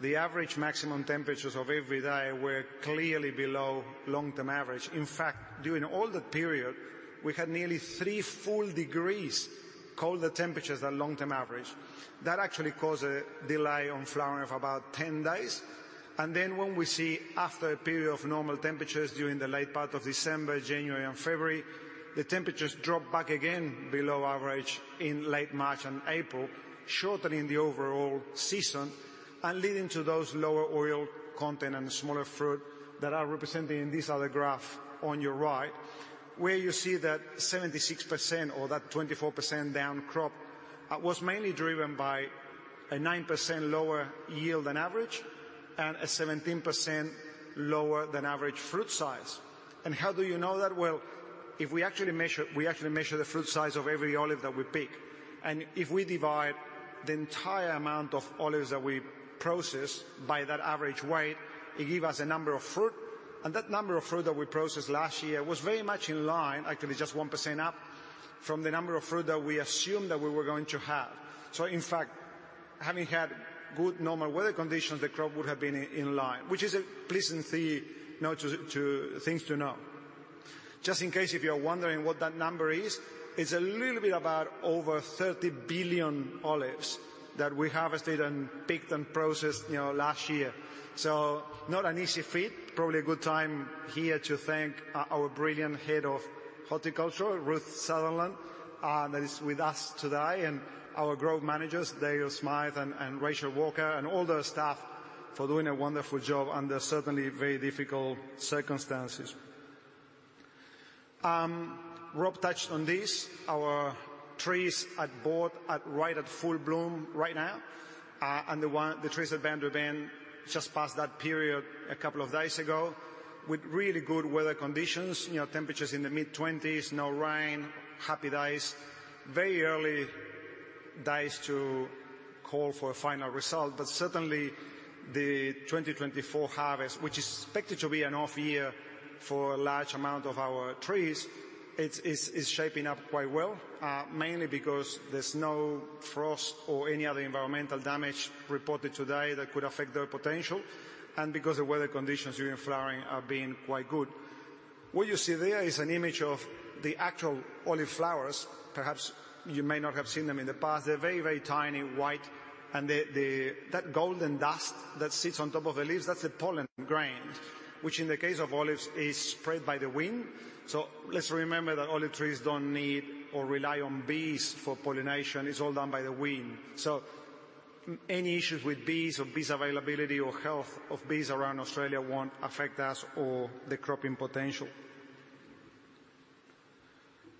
the average maximum temperatures of every day were clearly below long-term average. In fact, during all the period, we had nearly 3 full degrees colder temperatures than long-term average. That actually caused a delay on flowering of about 10 days. Then when we see, after a period of normal temperatures during the late part of December, January, and February, the temperatures dropped back again below average in late March and April, shortening the overall season and leading to those lower oil content and smaller fruit that are represented in this other graph on your right. Where you see that 76% or that 24% down crop was mainly driven by a 9% lower yield than average and a 17% lower than average fruit size. How do you know that? Well, if we actually measure the fruit size of every olive that we pick, and if we divide the entire amount of olives that we process by that average weight, it give us a number of fruit. That number of fruit that we processed last year was very much in line, actually just 1% up, from the number of fruit that we assumed that we were going to have. So in fact, having had good normal weather conditions, the crop would have been in line, which is a pleasing thing, you know, to things to know. Just in case if you're wondering what that number is, it's a little bit about over 30 billion olives that we harvested and picked and processed, you know, last year. So not an easy feat. Probably a good time here to thank our brilliant Head of Horticulture, Ruth Sutherland, that is with us today, and our grove managers, Dale Smith and Rachel Walker, and all the staff for doing a wonderful job under certainly very difficult circumstances. Rob touched on this. Our trees at both at, right at full bloom right now. The trees at Boundary Bend just passed that period a couple of days ago with really good weather conditions. You know, temperatures in the mid-20s, no rain, happy days. Very early days to call for a final result, but certainly the 2024 harvest, which is expected to be an off year for a large amount of our trees, is shaping up quite well, mainly because there's no frost or any other environmental damage reported today that could affect their potential and because the weather conditions during flowering are being quite good. What you see there is an image of the actual olive flowers. Perhaps you may not have seen them in the past. They're very, very tiny, white, and that golden dust that sits on top of the leaves, that's the pollen grain, which, in the case of olives, is spread by the wind. So let's remember that olive trees don't need or rely on bees for pollination. It's all done by the wind. So any issues with bees or bees availability or health of bees around Australia won't affect us or the cropping potential.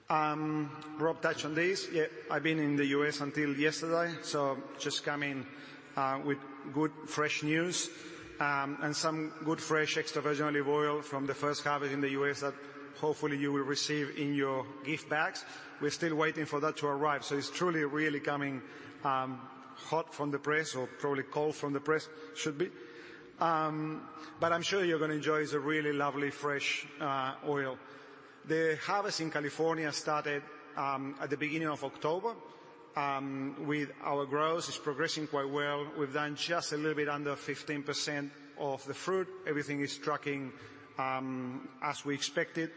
Rob touched on this. Yeah, I've been in the U.S. until yesterday, so just coming with good, fresh news, and some good, fresh extra virgin olive oil from the first harvest in the U.S. that hopefully you will receive in your gift bags. We're still waiting for that to arrive, so it's truly really coming hot from the press or probably cold from the press. Should be. But I'm sure you're going to enjoy. It's a really lovely, fresh, oil. The harvest in California started at the beginning of October. With our groves, it's progressing quite well. We've done just a little bit under 15% of the fruit. Everything is tracking as we expected.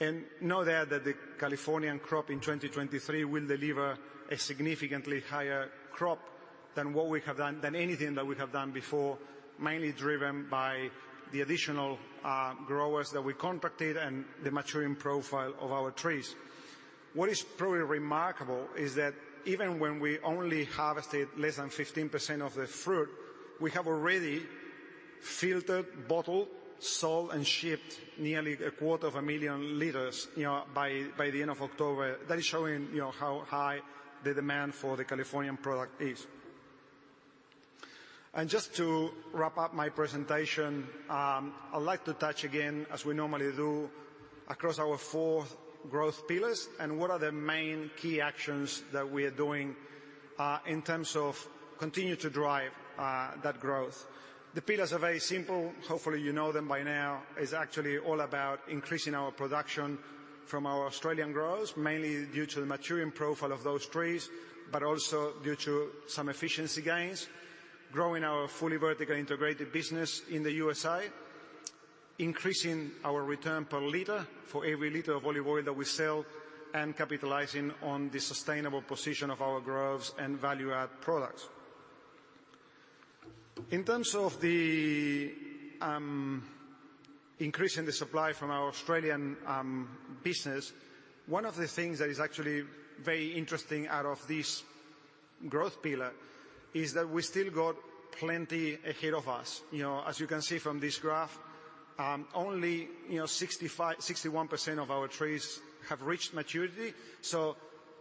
And you know that the Californian crop in 2023 will deliver a significantly higher crop than anything that we have done before, mainly driven by the additional growers that we contracted and the maturing profile of our trees. What is probably remarkable is that even when we only harvested less than 15% of the fruit, we have already filtered, bottled, sold, and shipped nearly 250,000 L, you know, by the end of October. That is showing, you know, how high the demand for the Californian product is. Just to wrap up my presentation, I'd like to touch again, as we normally do, across our four growth pillars and what are the main key actions that we are doing, in terms of continue to drive that growth. The pillars are very simple. Hopefully, you know them by now. It's actually all about increasing our production from our Australian groves, mainly due to the maturing profile of those trees, but also due to some efficiency gains. Growing our fully vertical integrated business in the USA. Increasing our return per liter for every liter of olive oil that we sell, and capitalizing on the sustainable position of our groves and value-add products. In terms of the increasing the supply from our Australian business, one of the things that is actually very interesting out of this growth pillar is that we still got plenty ahead of us. You know, as you can see from this graph, only, you know, 61% of our trees have reached maturity, so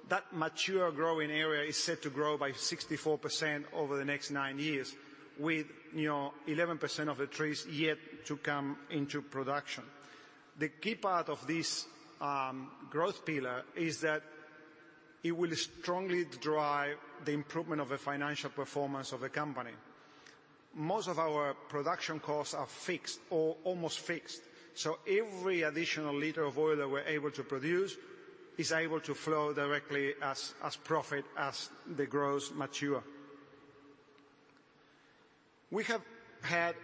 that mature growing area is set to grow by 64% over the next nine years with, you know, 11% of the trees yet to come into production. The key part of this growth pillar is that it will strongly drive the improvement of the financial performance of the company. Most of our production costs are fixed or almost fixed, so every additional liter of oil that we're able to produce is able to flow directly as profit as the groves mature. We have had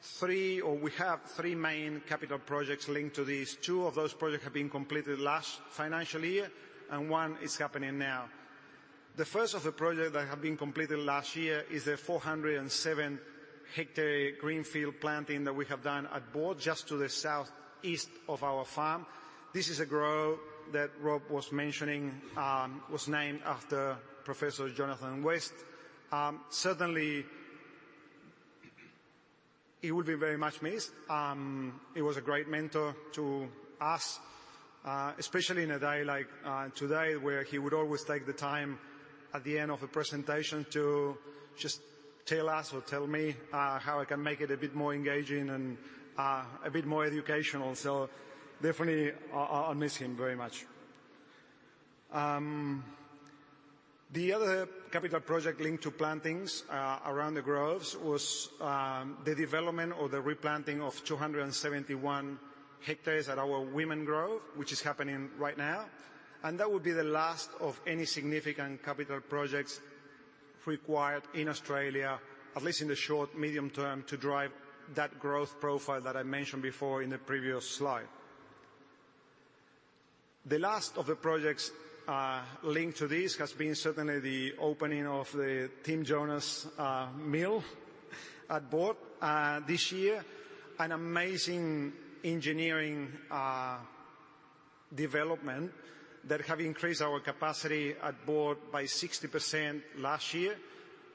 three, or we have three main capital projects linked to this. Two of those projects have been completed last financial year, and one is happening now. The first of the project that have been completed last year is the 407 hectare greenfield planting that we have done at Boort, just to the Southeast of our farm. This is a grove that Rob was mentioning, was named after Professor Jonathan West. Certainly, he will be very much missed. He was a great mentor to us, especially in a day like, today, where he would always take the time at the end of a presentation to just tell us or tell me, how I can make it a bit more engaging and, a bit more educational. So definitely, I, I'll miss him very much. The other capital project linked to plantings around the groves was the development or the replanting of 271 hectares at our Wemen Grove, which is happening right now. That will be the last of any significant capital projects required in Australia, at least in the short- to medium-term, to drive that growth profile that I mentioned before in the previous slide. The last of the projects linked to this has been certainly the opening of the Tim Jonas Mill at Boort this year. An amazing engineering development that have increased our capacity at Boort by 60% last year,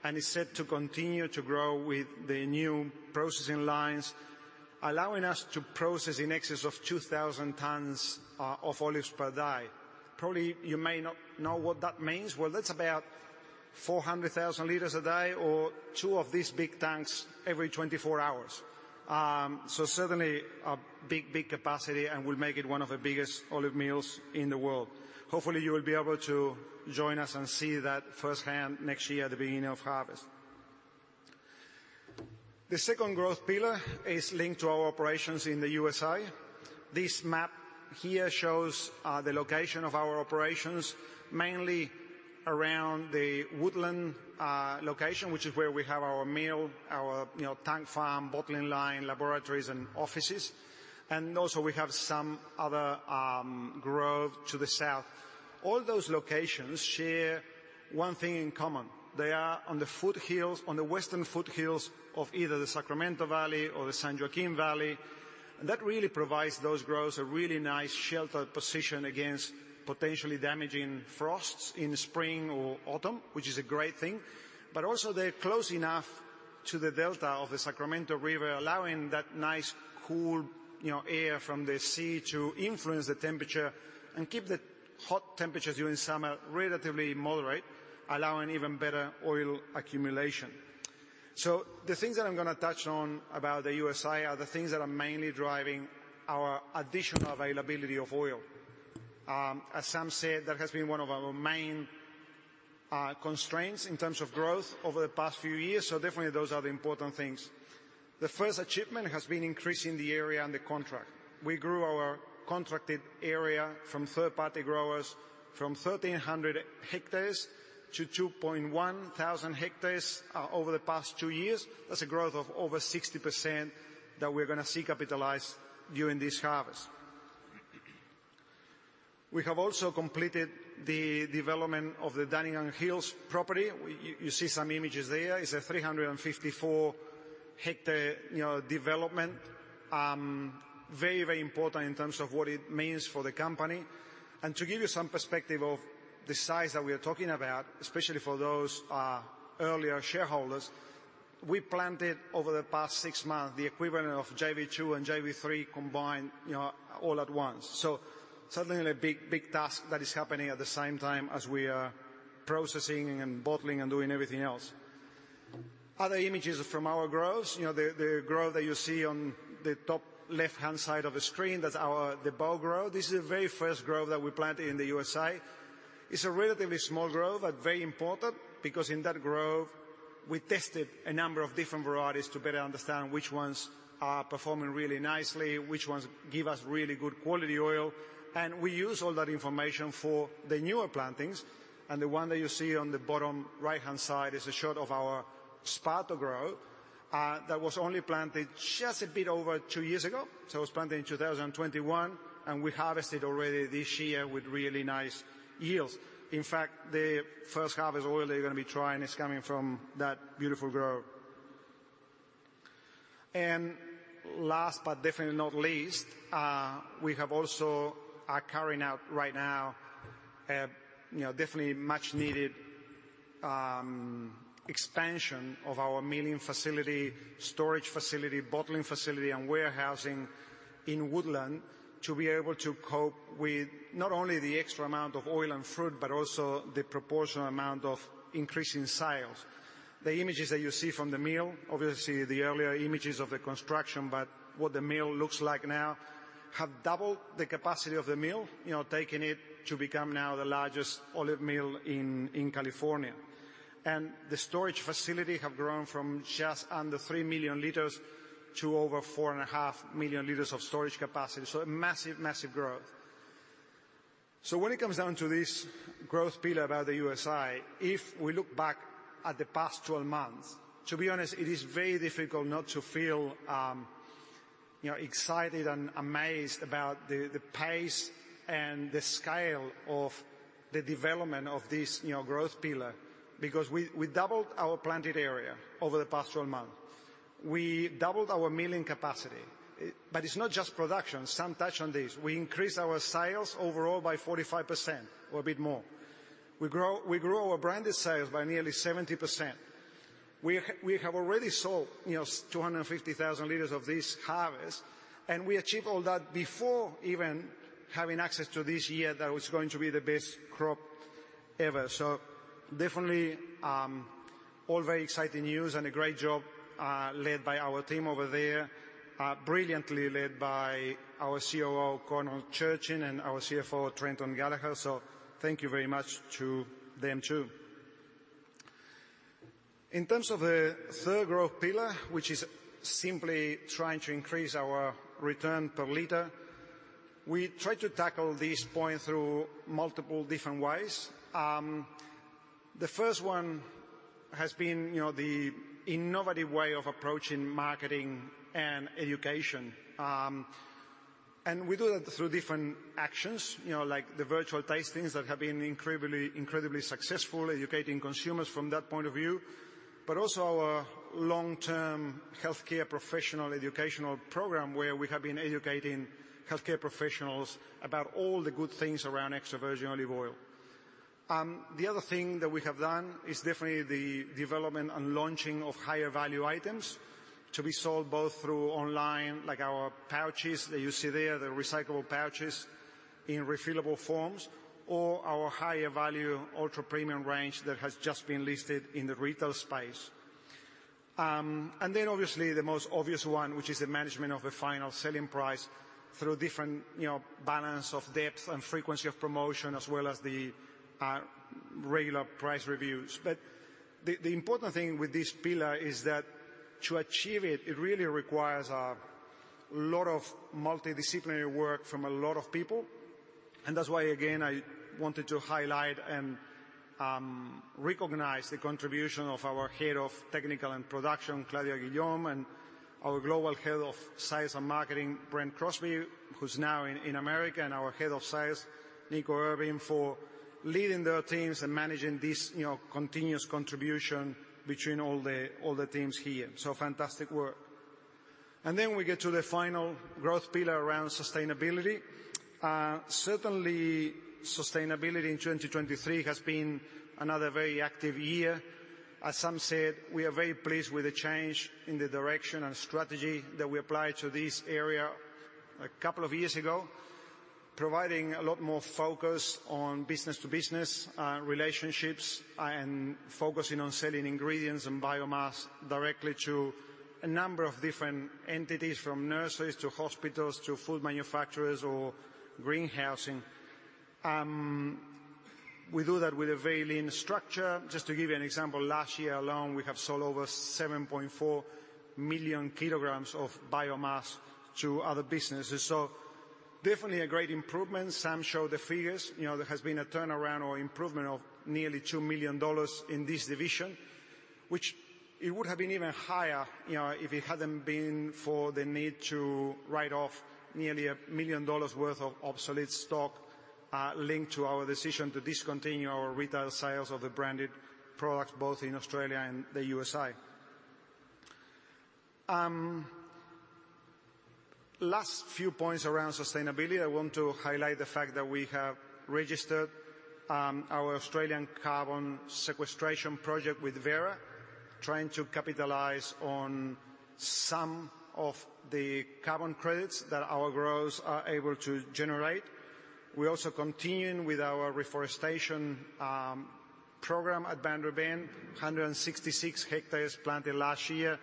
and is set to continue to grow with the new processing lines, allowing us to process in excess of 2,000 tonnes of olives per day. Probably, you may not know what that means. Well, that's about 400,000 L a day or two of these big tanks every 24 hours. So certainly a big, big capacity and will make it one of the biggest olive mills in the world. Hopefully, you will be able to join us and see that firsthand next year at the beginning of harvest. The second growth pillar is linked to our operations in the USA. This map here shows the location of our operations, mainly around the Woodland location, which is where we have our mill, our, you know, tank farm, bottling line, laboratories, and offices. And also we have some other grove to the south. All those locations share one thing in common. They are on the foothills, on the western foothills of either the Sacramento Valley or the San Joaquin Valley. That really provides those groves a really nice sheltered position against potentially damaging frosts in spring or autumn, which is a great thing. Also, they're close enough to the delta of the Sacramento River, allowing that nice, cool, you know, air from the sea to influence the temperature and keep the hot temperatures during summer relatively moderate, allowing even better oil accumulation. So the things that I'm gonna touch on about the USA are the things that are mainly driving our additional availability of oil. As Sam said, that has been one of our main constraints in terms of growth over the past few years, so definitely those are the important things. The first achievement has been increasing the area under contract. We grew our contracted area from third-party growers from 1,300 hectares-2,100 hectares over the past two years. That's a growth of over 60% that we're gonna see capitalized during this harvest. We have also completed the development of the Dunnigan Hills property. You see some images there. It's a 354-hectare, you know, development. Very, very important in terms of what it means for the company. To give you some perspective of the size that we are talking about, especially for those earlier shareholders, we planted over the past six months, the equivalent of JV 2 and JV 3 combined, you know, all at once. So certainly a big, big task that is happening at the same time as we are processing and bottling and doing everything else. Other images from our groves. You know, the grove that you see on the top left-hand side of the screen, that's our Boort Grove. This is the very first grove that we planted in the USA. It's a relatively small grove, but very important, because in that grove, we tested a number of different varieties to better understand which ones are performing really nicely, which ones give us really good quality oil, and we use all that information for the newer plantings. And the one that you see on the bottom right-hand side is a shot of our Esparto Grove, that was only planted just a bit over 2 years ago. So it was planted in 2021, and we harvested already this year with really nice yields. In fact, the first harvest oil that you're going to be trying is coming from that beautiful grove. And last but definitely not least, we have also are carrying out right now a, you know, definitely much needed expansion of our milling facility, storage facility, bottling facility, and warehousing in Woodland to be able to cope with not only the extra amount of oil and fruit, but also the proportional amount of increase in sales. The images that you see from the mill, obviously, the earlier images of the construction, but what the mill looks like now, have doubled the capacity of the mill. You know, taking it to become now the largest olive mill in California. The storage facility have grown from just under 3 million L to over 4.5 million L of storage capacity. So a massive, massive growth. So when it comes down to this growth pillar about the USA, if we look back at the past 12 months, to be honest, it is very difficult not to feel, you know, excited and amazed about the pace and the scale of the development of this, you know, growth pillar, because we doubled our planted area over the past 12 months. We doubled our milling capacity. But it's not just production. Sam touched on this. We increased our sales overall by 45% or a bit more. We grew our branded sales by nearly 70%. We have already sold, you know, 250,000 L of this harvest, and we achieved all that before even having access to this year that was going to be the best crop ever. So definitely, all very exciting news and a great job led by our team over there. Brilliantly led by our COO, Conor Churchin, and our CFO, Trenton Gallagher. So thank you very much to them, too. In terms of the third growth pillar, which is simply trying to increase our return per liter, we tried to tackle this point through multiple different ways. The first one has been, you know, the innovative way of approaching marketing and education. And we do that through different actions, you know, like the virtual tastings that have been incredibly, incredibly successful, educating consumers from that point of view. But also our long-term healthcare professional educational program, where we have been educating healthcare professionals about all the good things around extra virgin olive oil. The other thing that we have done is definitely the development and launching of higher value items to be sold both through online, like our pouches that you see there, the recyclable pouches in refillable forms, or our higher value ultra-premium range that has just been listed in the retail space. And then obviously, the most obvious one, which is the management of the final selling price through different, you know, balance of depth and frequency of promotion, as well as the regular price reviews. But the important thing with this pillar is that to achieve it, it really requires a lot of multidisciplinary work from a lot of people. And that's why, again, I wanted to highlight and recognize the contribution of our Head of Technical and Production, Claudia Guillaume, and our Global Head of Sales and Marketing, Brent Crosby, who's now in America, and our Head of Sales, Nico Irving, for leading their teams and managing this, you know, continuous contribution between all the teams here. So fantastic work. And then we get to the final growth pillar around sustainability. Certainly, sustainability in 2023 has been another very active year. As Sam said, we are very pleased with the change in the direction and strategy that we applied to this area a couple of years ago, providing a lot more focus on business-to-business relationships and focusing on selling ingredients and biomass directly to a number of different entities, from nurseries, to hospitals, to food manufacturers or greenhouses. We do that with a very lean structure. Just to give you an example, last year alone, we have sold over 7.4 million kg of biomass to other businesses. So definitely a great improvement. Sam showed the figures. You know, there has been a turnaround or improvement of nearly 2 million dollars in this division, which it would have been even higher, you know, if it hadn't been for the need to write off nearly AUD 1 million's worth of obsolete stock, linked to our decision to discontinue our retail sales of the branded products, both in Australia and the USA. Last few points around sustainability. I want to highlight the fact that we have registered our Australian carbon sequestration project with Verra, trying to capitalize on some of the carbon credits that our groves are able to generate. We're also continuing with our reforestation program at Boundary Bend, 166 hectares planted last year,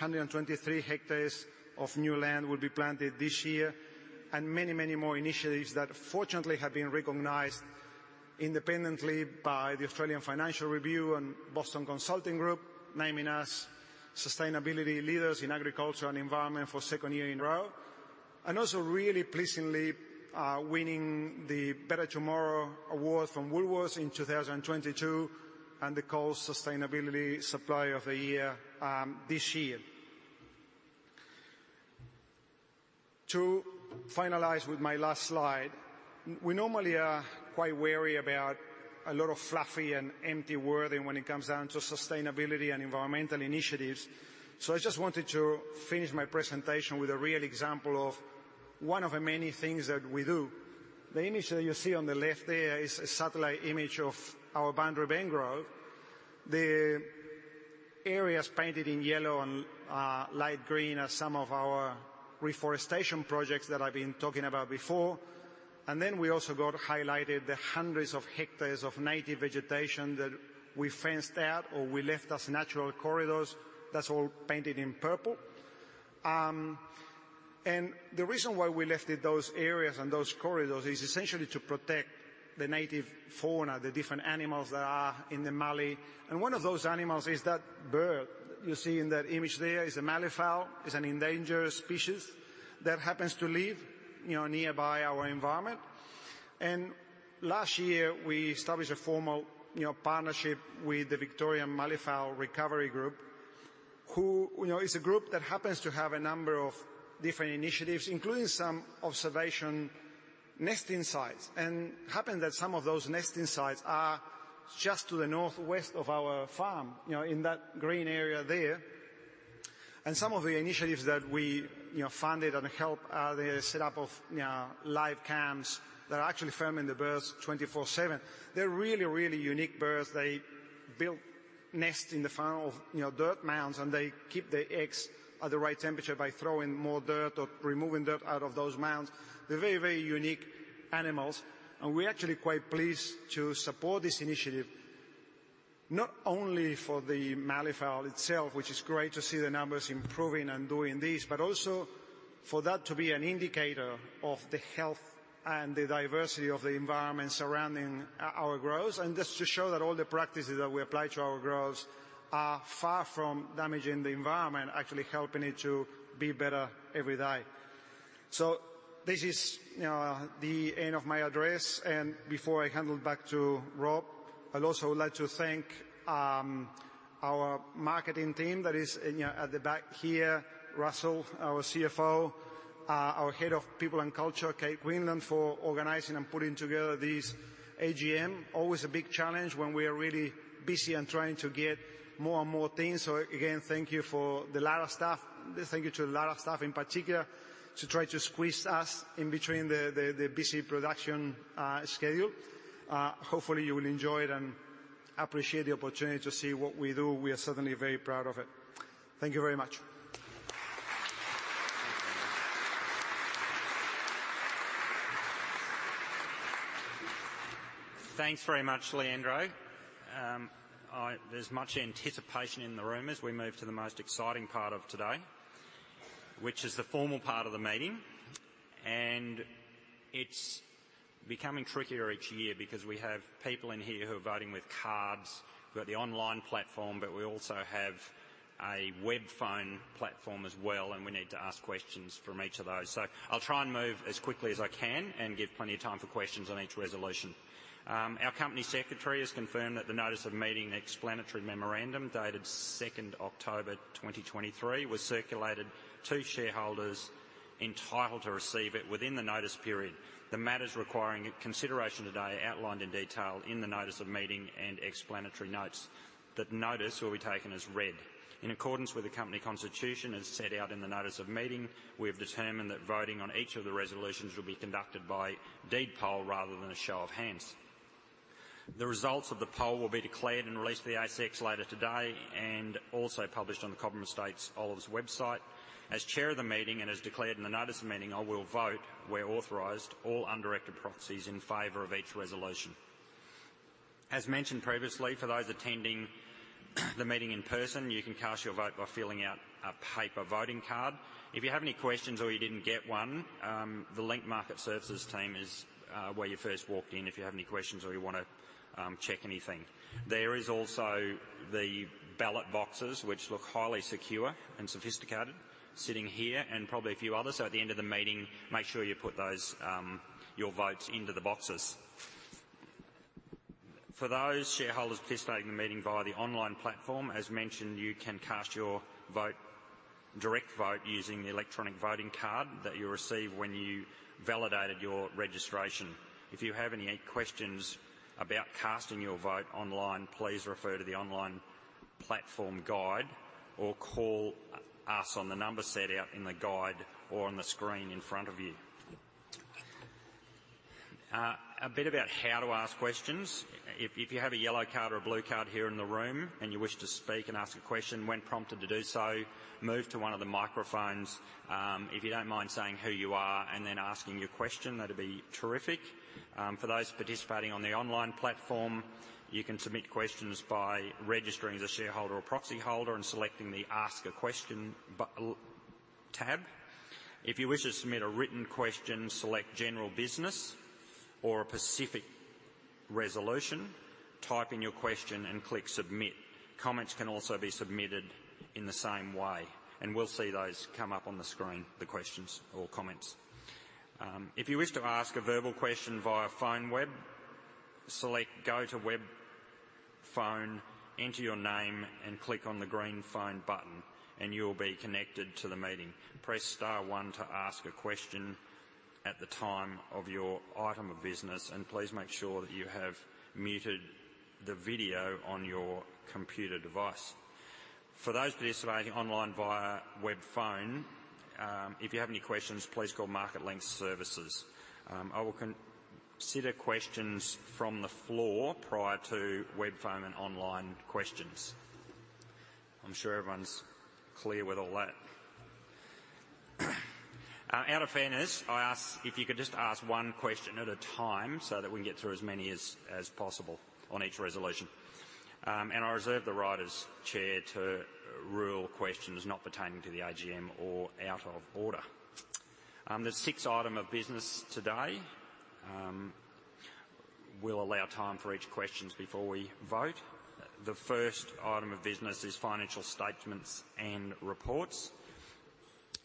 123 hectares of new land will be planted this year, and many, many more initiatives that fortunately have been recognized independently by the Australian Financial Review and Boston Consulting Group, naming us Sustainability Leaders in Agriculture and Environment for second year in a row. Also, really pleasingly, winning the Better Tomorrow Award from Woolworths in 2022, and the Coles Sustainability Supplier of the Year, this year. To finalize with my last slide, we normally are quite wary about a lot of fluffy and empty wording when it comes down to sustainability and environmental initiatives. So I just wanted to finish my presentation with a real example of one of the many things that we do. The image that you see on the left there is a satellite image of our Boundary Bend Grove. The areas painted in yellow and light green are some of our reforestation projects that I've been talking about before. Then we also got highlighted the hundreds of hectares of native vegetation that we fenced out, or we left as natural corridors. That's all painted in purple. The reason why we left it, those areas and those corridors, is essentially to protect the native fauna, the different animals that are in the Mallee. One of those animals is that bird you see in that image there, a Malleefowl, an endangered species that happens to live, you know, nearby our environment. Last year, we established a formal, you know, partnership with the Victorian Malleefowl Recovery Group, who, you know, is a group that happens to have a number of different initiatives, including some observation nesting sites. And happened that some of those nesting sites are just to the northwest of our farm, you know, in that green area there. And some of the initiatives that we, you know, funded and help are the setup of live cams that are actually filming the birds 24/7. They're really, really unique birds. They build nests in the form of, you know, dirt mounds, and they keep their eggs at the right temperature by throwing more dirt or removing dirt out of those mounds. They're very, very unique animals, and we're actually quite pleased to support this initiative, not only for the Malleefowl itself, which is great to see the numbers improving and doing this, but also for that to be an indicator of the health and the diversity of the environment surrounding our groves. And just to show that all the practices that we apply to our groves are far from damaging the environment, actually helping it to be better every day. So this is, you know, the end of my address, and before I hand it back to Rob, I'd also like to thank our marketing team that is, you know, at the back here. Russell, our CFO, our Head of People and Culture, Kate Greenland, for organizing and putting together this AGM. Always a big challenge when we are really busy and trying to get more and more things. So again, thank you for the lot of staff. Thank you to a lot of staff in particular, to try to squeeze us in between the busy production schedule. Hopefully, you will enjoy it and appreciate the opportunity to see what we do. We are certainly very proud of it. Thank you very much. Thanks very much, Leandro. There's much anticipation in the room as we move to the most exciting part of today, which is the formal part of the meeting. It's becoming trickier each year because we have people in here who are voting with cards. We've got the online platform, but we also have a web phone platform as well, and we need to ask questions from each of those. So I'll try and move as quickly as I can and give plenty of time for questions on each resolution. Our company secretary has confirmed that the notice of meeting explanatory memorandum, dated 2 October 2023, was circulated to shareholders entitled to receive it within the notice period. The matters requiring consideration today are outlined in detail in the notice of meeting and explanatory notes. That notice will be taken as read. In accordance with the company constitution, as set out in the notice of meeting, we have determined that voting on each of the resolutions will be conducted by deed poll rather than a show of hands. The results of the poll will be declared and released to the ASX later today and also published on the Cobram Estate Olives website. As Chair of the meeting, and as declared in the notice of meeting, I will vote where authorized, all undirected proxies in favor of each resolution. As mentioned previously, for those attending the meeting in person, you can cast your vote by filling out a paper voting card. If you have any questions or you didn't get one, the Link Market Services team is where you first walk in if you have any questions or you wanna check anything. There is also the ballot boxes, which look highly secure and sophisticated, sitting here and probably a few others. So at the end of the meeting, make sure you put those, your votes into the boxes. For those shareholders participating in the meeting via the online platform, as mentioned, you can cast your vote, direct vote, using the electronic voting card that you received when you validated your registration. If you have any questions about casting your vote online, please refer to the online platform guide or call us on the number set out in the guide or on the screen in front of you. A bit about how to ask questions. If you have a yellow card or a blue card here in the room, and you wish to speak and ask a question, when prompted to do so, move to one of the microphones. If you don't mind saying who you are and then asking your question, that'd be terrific. For those participating on the online platform, you can submit questions by registering as a shareholder or proxy holder and selecting the Ask a Question button tab. If you wish to submit a written question, select General Business or a specific resolution, type in your question and click Submit. Comments can also be submitted in the same way, and we'll see those come up on the screen, the questions or comments. If you wish to ask a verbal question via phone web, select Go to Web Phone, enter your name and click on the green phone button, and you will be connected to the meeting. Press star one to ask a question at the time of your item of business, and please make sure that you have muted the video on your computer device. For those participating online via web phone, if you have any questions, please call Link Market Services. I will consider questions from the floor prior to web, phone, and online questions. I'm sure everyone's clear with all that. Out of fairness, I ask if you could just ask one question at a time so that we can get through as many as possible on each resolution. And I reserve the right as chair to rule questions not pertaining to the AGM or out of order. There's six item of business today. We'll allow time for each questions before we vote. The first item of business is financial statements and reports.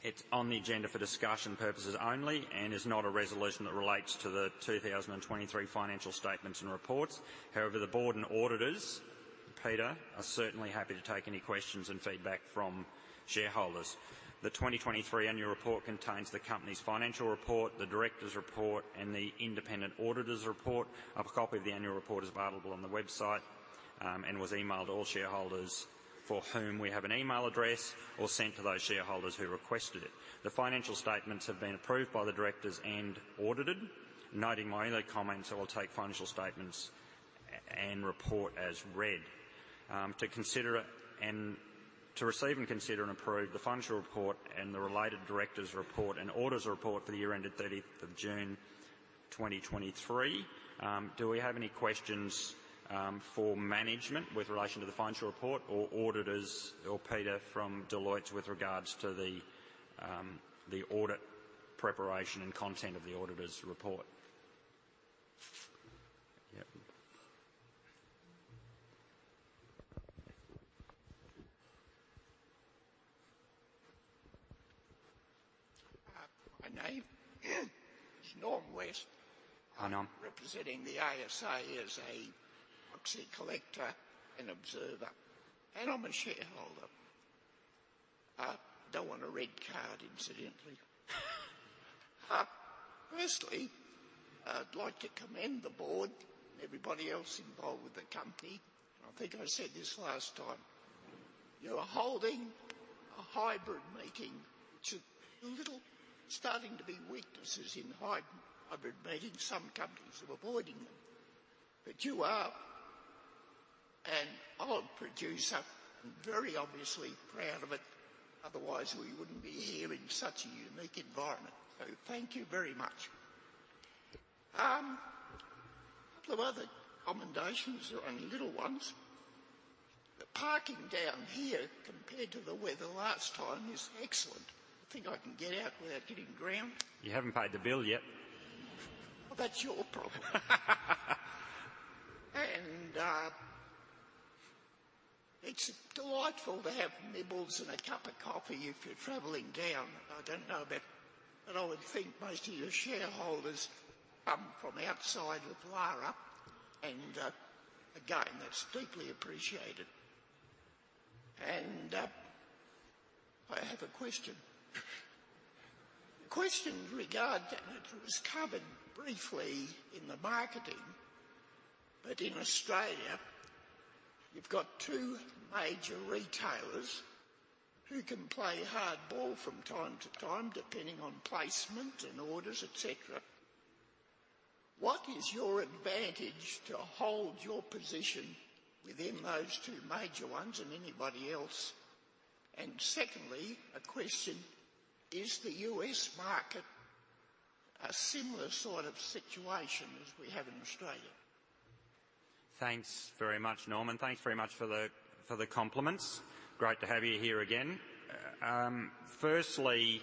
It's on the agenda for discussion purposes only and is not a resolution that relates to the 2023 financial statements and reports. However, the Board and auditors, Peter, are certainly happy to take any questions and feedback from shareholders. The 2023 annual report contains the company's financial report, the directors' report, and the independent auditors' report. A copy of the annual report is available on the website, and was emailed to all shareholders for whom we have an email address or sent to those shareholders who requested it. The financial statements have been approved by the directors and audited. Noting my earlier comments, I will take financial statements and report as read. To consider it and to receive and consider and approve the financial report and the related directors' report and auditors' report for the year ended 30th of June, 2023. Do we have any questions for management with relation to the financial report or auditors or Peter from Deloitte with regards to the audit preparation and content of the auditor's report? Yep. My name is Norm West. Hi, Norm. Representing the ASA as a proxy collector and observer, and I'm a shareholder. Don't want a red card, incidentally. Firstly, I'd like to commend the Board and everybody else involved with the company. I think I said this last time, you're holding a hybrid meeting, which is a little starting to be weaknesses in hybrid meetings. Some companies are avoiding them, but you are an olive producer and very obviously proud of it. Otherwise, we wouldn't be here in such a unique environment. So thank you very much. The other commendations are only little ones. The parking down here, compared to the weather last time, is excellent. I think I can get out without getting drowned. You haven't paid the bill yet. Well, that's your problem. And, it's delightful to have nibbles and a cup of coffee if you're traveling down. I don't know about but I would think most of your shareholders come from outside of Lara, and, again, that's deeply appreciated. And, I have a question. The question regard, and it was covered briefly in the marketing, but in Australia, you've got two major retailers who can play hardball from time to time, depending on placement and orders, et cetera. What is your advantage to hold your position within those two major ones and anybody else? And secondly, a question: Is the U.S. market a similar sort of situation as we have in Australia? Thanks very much, Norman. Thanks very much for the, for the compliments. Great to have you here again. Firstly,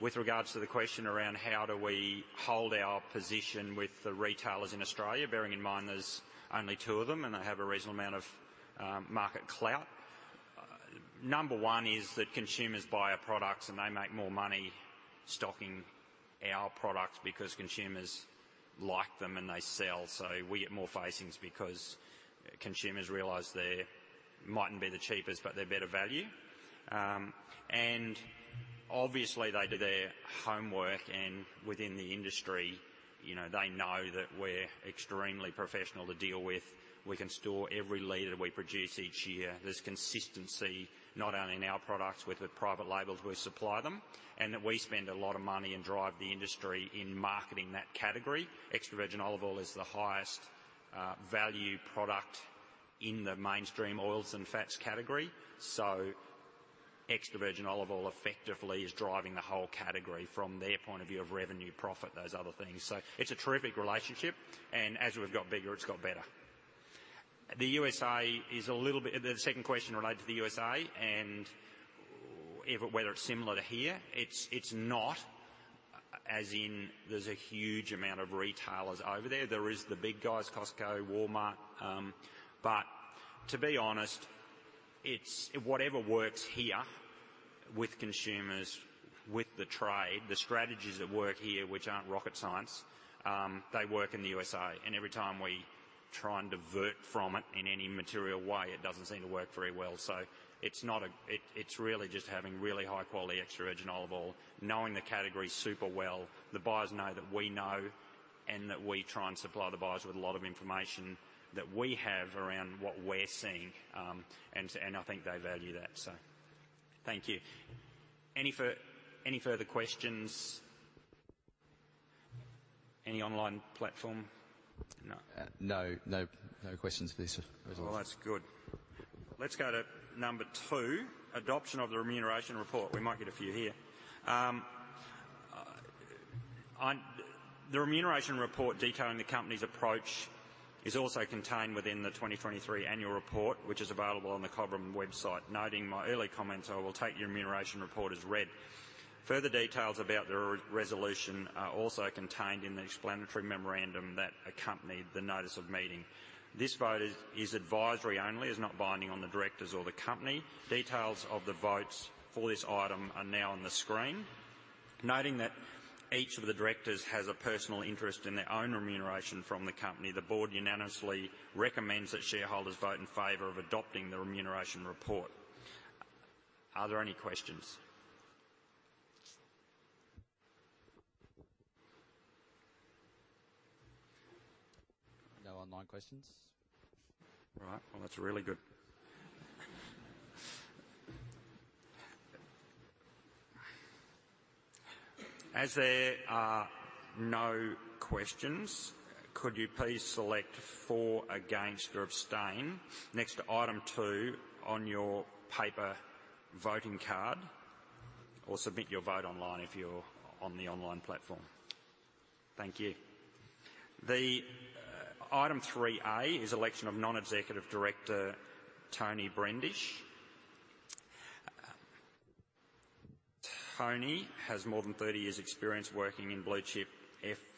with regards to the question around how do we hold our position with the retailers in Australia, bearing in mind there's only two of them, and they have a reasonable amount of, market clout. Number one is that consumers buy our products, and they make more money stocking our products because consumers like them, and they sell. So we get more facings because consumers realize they mightn't be the cheapest, but they're better value. And obviously, they do their homework, and within the industry, you know, they know that we're extremely professional to deal with. We can store every liter that we produce each year. There's consistency not only in our products, with the private labels, we supply them, and that we spend a lot of money and drive the industry in marketing that category. Extra virgin olive oil is the highest value product in the mainstream oils and fats category. So extra virgin olive oil effectively is driving the whole category from their point of view of revenue, profit, those other things. So it's a terrific relationship, and as we've got bigger, it's got better. The USA is a little bit different. The second question related to the USA, and whether it's similar to here, it's, it's not, as in there's a huge amount of retailers over there. There is the big guys, Costco, Walmart, but to be honest, it's whatever works here with consumers, with the trade, the strategies that work here, which aren't rocket science, they work in the USA, and every time we try and divert from it in any material way, it doesn't seem to work very well. So it's not a, it's really just having really high-quality extra virgin olive oil, knowing the category super well. The buyers know that we know, and that we try and supply the buyers with a lot of information that we have around what we're seeing. And I think they value that, so thank you. Any further questions? Any online platform? No. No, no, no questions for this resolution. Well, that's good. Let's go to number 2, adoption of the remuneration report. We might get a few here. The remuneration report detailing the company's approach is also contained within the 2023 annual report, which is available on the Cobram website. Noting my early comments, I will take the remuneration report as read. Further details about the resolution are also contained in the explanatory memorandum that accompanied the notice of meeting. This vote is advisory only, is not binding on the directors or the company. Details of the votes for this item are now on the screen. Noting that each of the directors has a personal interest in their own remuneration from the company, the Board unanimously recommends that shareholders vote in favor of adopting the remuneration report. Are there any questions? No online questions. Right. Well, that's really good. As there are no questions, could you please select "for," "against," or "abstain" next to item 2 on your paper voting card, or submit your vote online if you're on the online platform. Thank you. The item 3A is election of non-executive director, Toni Brendish. Toni has more than 30 years' experience working in blue-chip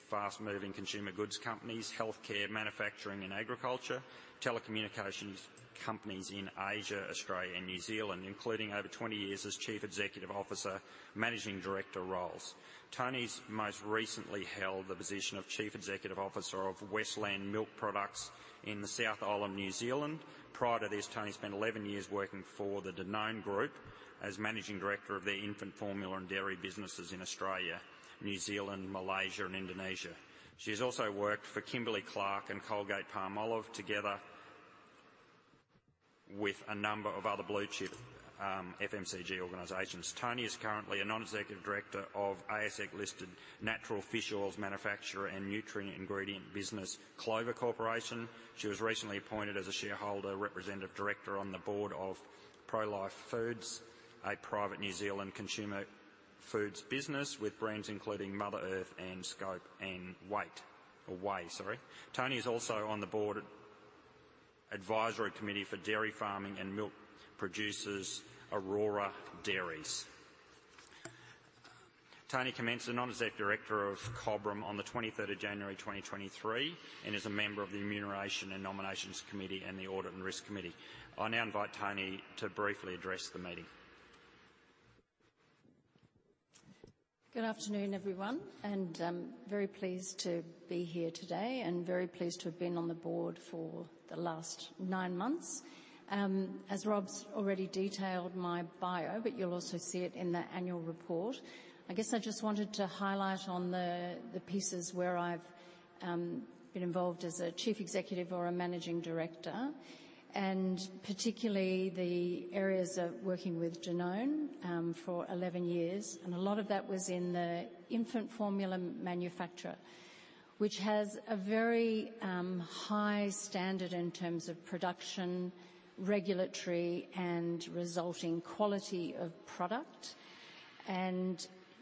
fast-moving consumer goods companies, healthcare, manufacturing and agriculture, telecommunications companies in Asia, Australia, and New Zealand, including over 20 years as Chief Executive Officer, Managing Director roles. Toni's most recently held the position of Chief Executive Officer of Westland Milk Products in the South Island, New Zealand. Prior to this, Toni spent 11 years working for the Danone Group as Managing Director of their infant formula and dairy businesses in Australia, New Zealand, Malaysia, and Indonesia. She's also worked for Kimberly-Clark and Colgate-Palmolive, together with a number of other blue-chip, FMCG organizations. Toni is currently a Non-Executive Director of ASX-listed natural fish oils manufacturer and nutrient ingredient business, Clover Corporation. She was recently appointed as a shareholder representative director on the Board of Prolife Foods, a private New Zealand consumer foods business with brands including Mother Earth and Scoop & Weigh or Weigh, sorry. Toni is also on the Board advisory committee for dairy farming and milk producers, Aurora Dairies. Toni commenced the non-executive director of Cobram on the 23rd of January, 2023, and is a member of the Remuneration and Nominations Committee and the Audit and Risk Committee. I now invite Toni to briefly address the meeting. Good afternoon, everyone, and I'm very pleased to be here today and very pleased to have been on the Board for the last nine months. As Rob's already detailed my bio, but you'll also see it in the annual report. I guess I just wanted to highlight on the, the pieces where I've been involved as a Chief Executive or a Managing Director, and particularly the areas of working with Danone for 11 years. A lot of that was in the infant formula manufacture, which has a very high standard in terms of production, regulatory, and resulting quality of product.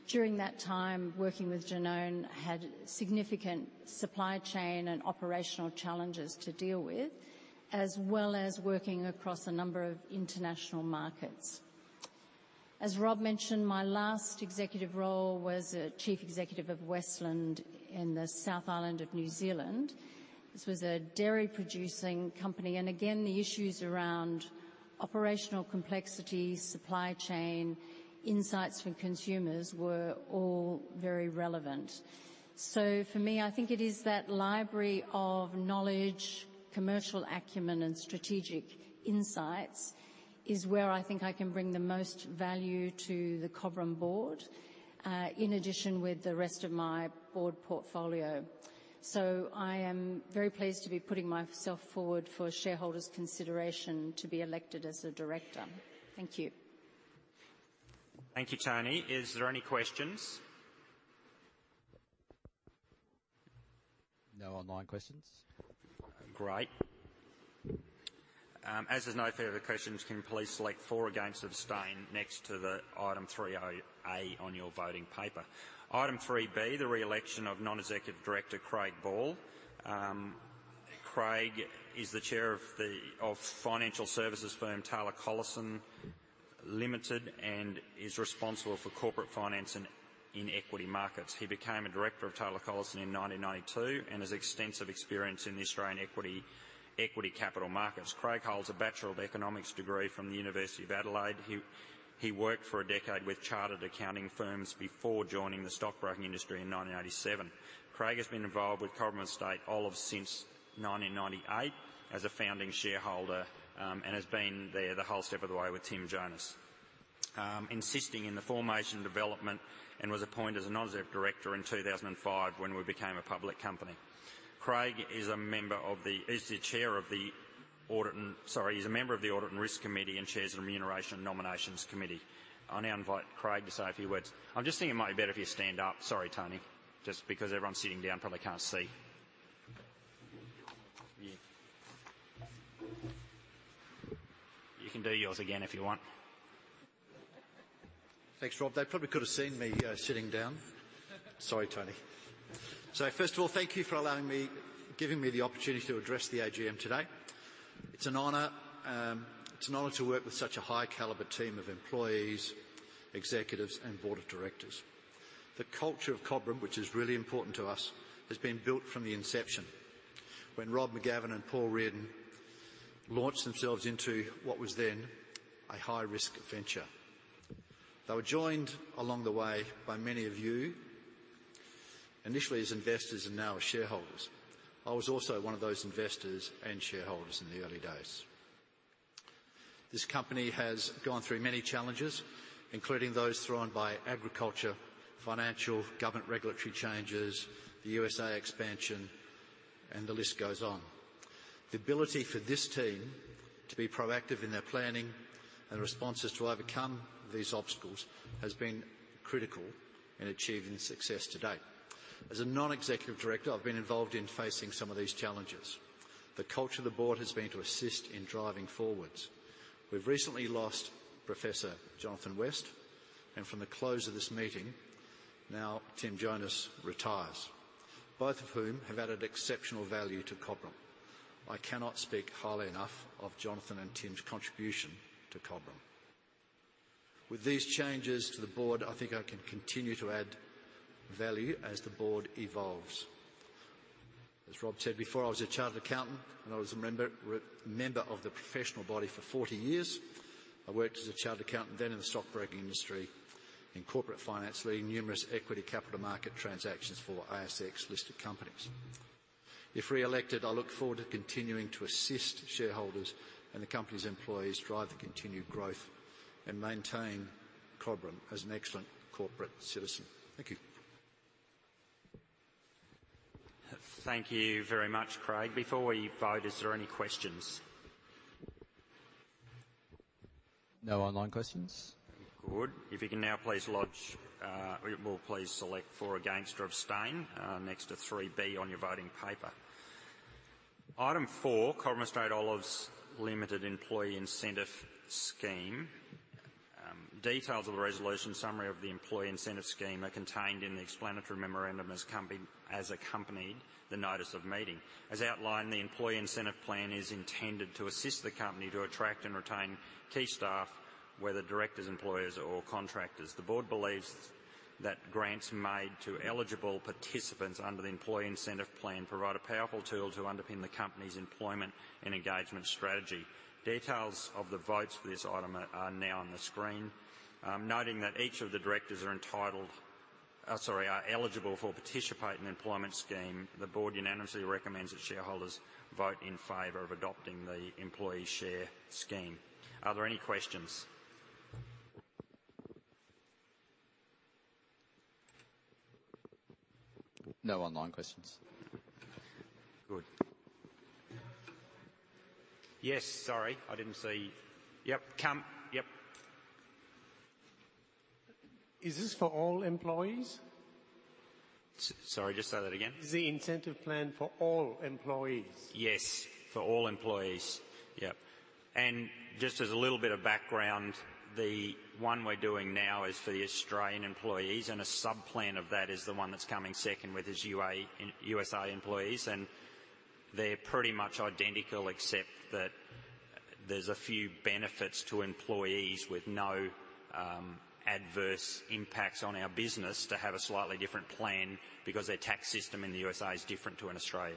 During that time, working with Danone had significant supply chain and operational challenges to deal with, as well as working across a number of international markets. As Rob mentioned, my last executive role was a Chief Executive of Westland in the South Island of New Zealand. This was a dairy-producing company, and again, the issues around operational complexity, supply chain, insights from consumers were all very relevant. So for me, I think it is that library of knowledge, commercial acumen, and strategic insights is where I think I can bring the most value to the Cobram Board, in addition with the rest of my Board portfolio. So I am very pleased to be putting myself forward for shareholders' consideration to be elected as a director. Thank you. Thank you, Toni. Is there any questions? No online questions. Great. As there's no further questions, can you please select for or against or abstain next to the item 3-A on your voting paper? Item 3-B, the re-election of Non-Executive Director, Craig Ball. Craig is the Chair of financial services firm Taylor Collison Limited, and is responsible for corporate finance and in equity markets. He became a director of Taylor Collison in 1992, and has extensive experience in the Australian equity capital markets. Craig holds a Bachelor of Economics degree from the University of Adelaide. He worked for a decade with chartered accounting firms before joining the stockbroking industry in 1987. Craig has been involved with Cobram Estate Olives since 1998 as a founding shareholder, and has been there the whole step of the way with Tim Jonas. Instrumental in the formation, development, and was appointed as a Non-Executive Director in 2005 when we became a public company. Craig is a member of the Audit and Risk Committee, and chairs the Remuneration and Nominations Committee. I now invite Craig to say a few words. I'm just thinking it might be better if you stand up. Sorry, Toni. Just because everyone's sitting down, probably can't see. You can do yours again if you want. Thanks, Rob. They probably could have seen me sitting down. Sorry, Toni. So first of all, thank you for allowing me, giving me the opportunity to address the AGM today. It's an honor, it's an honor to work with such a high caliber team of employees, Executives, and Board of Directors. The culture of Cobram, which is really important to us, has been built from the inception when Rob McGavin and Paul Riordan launched themselves into what was then a high-risk venture. They were joined along the way by many of you, initially as investors and now as shareholders. I was also one of those investors and shareholders in the early days. This company has gone through many challenges, including those thrown by agriculture, financial, government regulatory changes, the USA expansion, and the list goes on. The ability for this team to be proactive in their planning and responses to overcome these obstacles has been critical in achieving success to date. As a Non-Executive Director, I've been involved in facing some of these challenges. The culture of the Board has been to assist in driving forward. We've recently lost Professor Jonathan West, and from the close of this meeting, now Tim Jonas retires, both of whom have added exceptional value to Cobram. I cannot speak highly enough of Jonathan and Tim's contribution to Cobram. With these changes to the Board, I think I can continue to add value as the Board evolves. As Rob said before, I was a chartered accountant and I was a member of the professional body for 40 years. I worked as a chartered accountant, then in the stockbroking industry, in corporate finance, leading numerous equity capital market transactions for ASX-listed companies. If re-elected, I look forward to continuing to assist shareholders and the company's employees drive the continued growth and maintain Cobram as an excellent corporate citizen. Thank you. Thank you very much, Craig. Before we vote, is there any questions? No online questions. Good. If you can now please lodge or will please select for or against or abstain next to 3-B on your voting paper. Item 4, Cobram Estate Olives Limited Employee Incentive Scheme. Details of the resolution summary of the employee incentive scheme are contained in the explanatory memorandum as accompanied the notice of meeting. As outlined, the employee incentive plan is intended to assist the company to attract and retain key staff, whether directors, employees, or contractors. The Board believes that grants made to eligible participants under the employee incentive plan provide a powerful tool to underpin the company's employment and engagement strategy. Details of the votes for this item are now on the screen. Noting that each of the directors are entitled, sorry, are eligible for participate in the employment scheme, the Board unanimously recommends that shareholders vote in favor of adopting the employee share scheme. Are there any questions? No online questions. Good. Yes, sorry, I didn't see. Yep, Cam? Yep. Is this for all employees? Sorry, just say that again. Is the incentive plan for all employees? Yes, for all employees. Yep, and just as a little bit of background, the one we're doing now is for the Australian employees, and a sub-plan of that is the one that's coming second, which is USA employees, and they're pretty much identical, except that there's a few benefits to employees with no adverse impacts on our business to have a slightly different plan because their tax system in the USA is different to in Australia.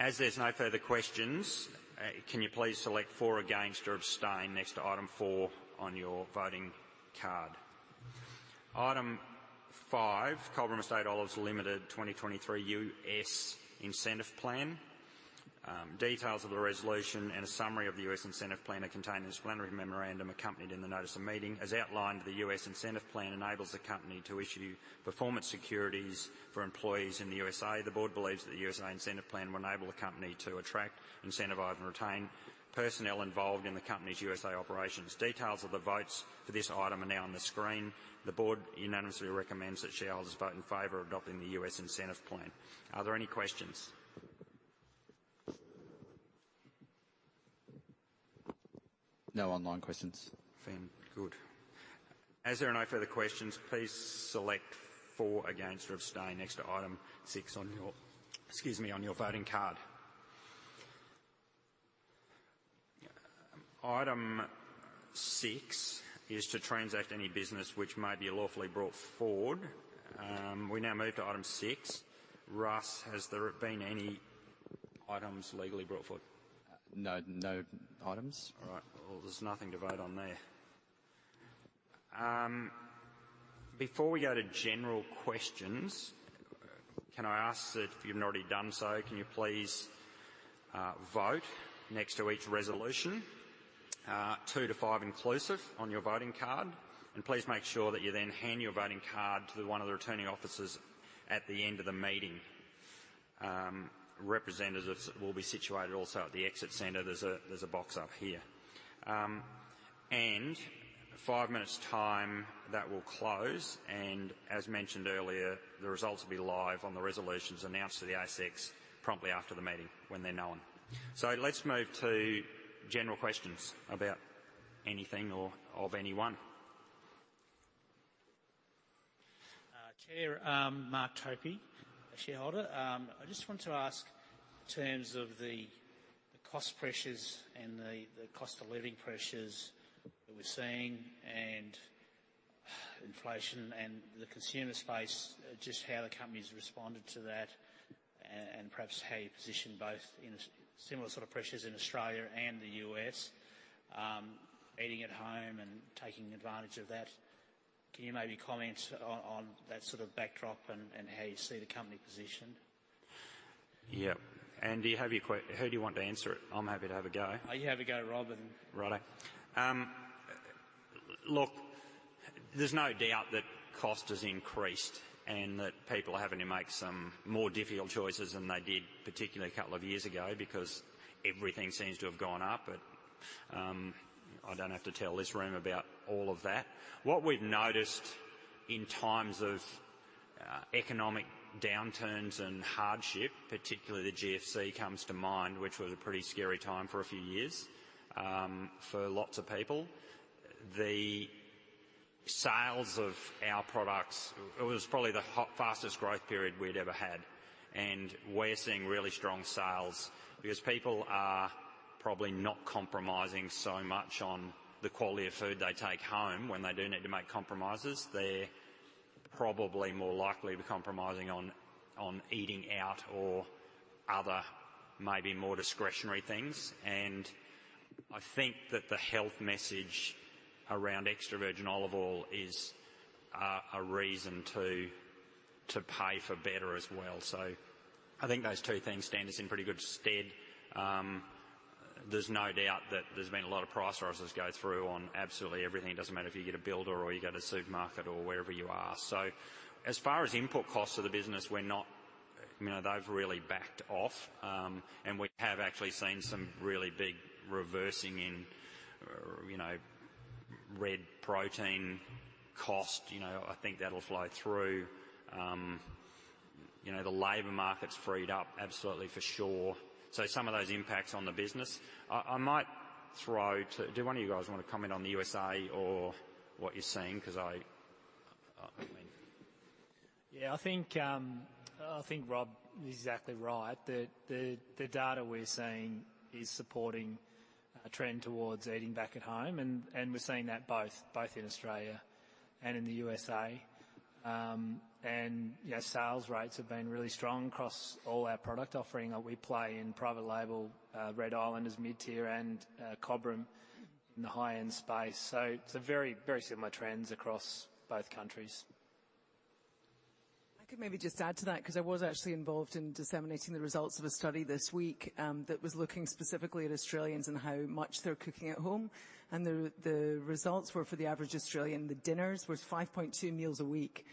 As there's no further questions, can you please select for or against or abstain next to item four on your voting card? Item five, Cobram Estate Olives Limited 2023 US Incentive Plan. Details of the resolution and a summary of the US incentive plan are contained in the explanatory memorandum accompanied in the notice of meeting. As outlined, the U.S. incentive plan enables the company to issue performance securities for employees in the USA. The Board believes that the USA incentive plan will enable the company to attract, incentivize, and retain personnel involved in the company's USA operations. Details of the votes for this item are now on the screen. The Board unanimously recommends that shareholders vote in favor of adopting the U.S. incentive plan. Are there any questions? No online questions. Fine. Good. As there are no further questions, please select for, against, or abstain next to item six on your, excuse me, on your voting card. Item six is to transact any business which may be lawfully brought forward. We now move to item six. Russ, has there been any items legally brought forward? No, no items. All right, well, there's nothing to vote on there. Before we go to general questions, can I ask that if you've not already done so, can you please vote next to each resolution 2-5 inclusive on your voting card? And please make sure that you then hand your voting card to one of the returning officers at the end of the meeting. Representatives will be situated also at the exit center. There's a box up here. And in 5 minutes' time, that will close, and as mentioned earlier, the results will be live on the resolutions announced to the ASX promptly after the meeting when they're known. So let's move to general questions about anything or of anyone. Chair, Mark Tope, a shareholder. I just want to ask, in terms of the cost pressures and the cost of living pressures that we're seeing, and inflation, and the consumer space, just how the company's responded to that, and perhaps how you position both in a similar sort of pressures in Australia and the U.S.. Eating at home and taking advantage of that. Can you maybe comment on that sort of backdrop and how you see the company positioned? Yeah. And do you have your question? Who do you want to answer it? I'm happy to have a go. You have a go, Rob. Righty. Look, there's no doubt that cost has increased, and that people are having to make some more difficult choices than they did, particularly a couple of years ago, because everything seems to have gone up. But I don't have to tell this room about all of that. What we've noticed in times of economic downturns and hardship, particularly the GFC comes to mind, which was a pretty scary time for a few years for lots of people. The sales of our products, it was probably the hot, fastest growth period we'd ever had, and we're seeing really strong sales because people are probably not compromising so much on the quality of food they take home. When they do need to make compromises, they're probably more likely to be compromising on eating out or other maybe more discretionary things. I think that the health message around extra virgin olive oil is a reason to pay for better as well. So I think those two things stand us in pretty good stead. There's no doubt that there's been a lot of price rises go through on absolutely everything. It doesn't matter if you get a builder, or you go to the supermarket, or wherever you are. So as far as input costs to the business, we're not... You know, they've really backed off, and we have actually seen some really big reversing in, you know, red protein cost. You know, I think that'll flow through. You know, the labor market's freed up absolutely for sure. So some of those impacts on the business. I might throw to, do one of you guys want to comment on the USA or what you're seeing? 'Cause I mean- Yeah, I think, I think Rob is exactly right. The data we're seeing is supporting a trend towards eating back at home, and we're seeing that both in Australia and in the USA. And yeah, sales rates have been really strong across all our product offering. We play in private label, Red Island is mid-tier, and Cobram in the high-end space. So it's a very similar trends across both countries. I could maybe just add to that, 'cause I was actually involved in disseminating the results of a study this week that was looking specifically at Australians and how much they're cooking at home. The results were for the average Australian, the dinners was 5.2 meals a week.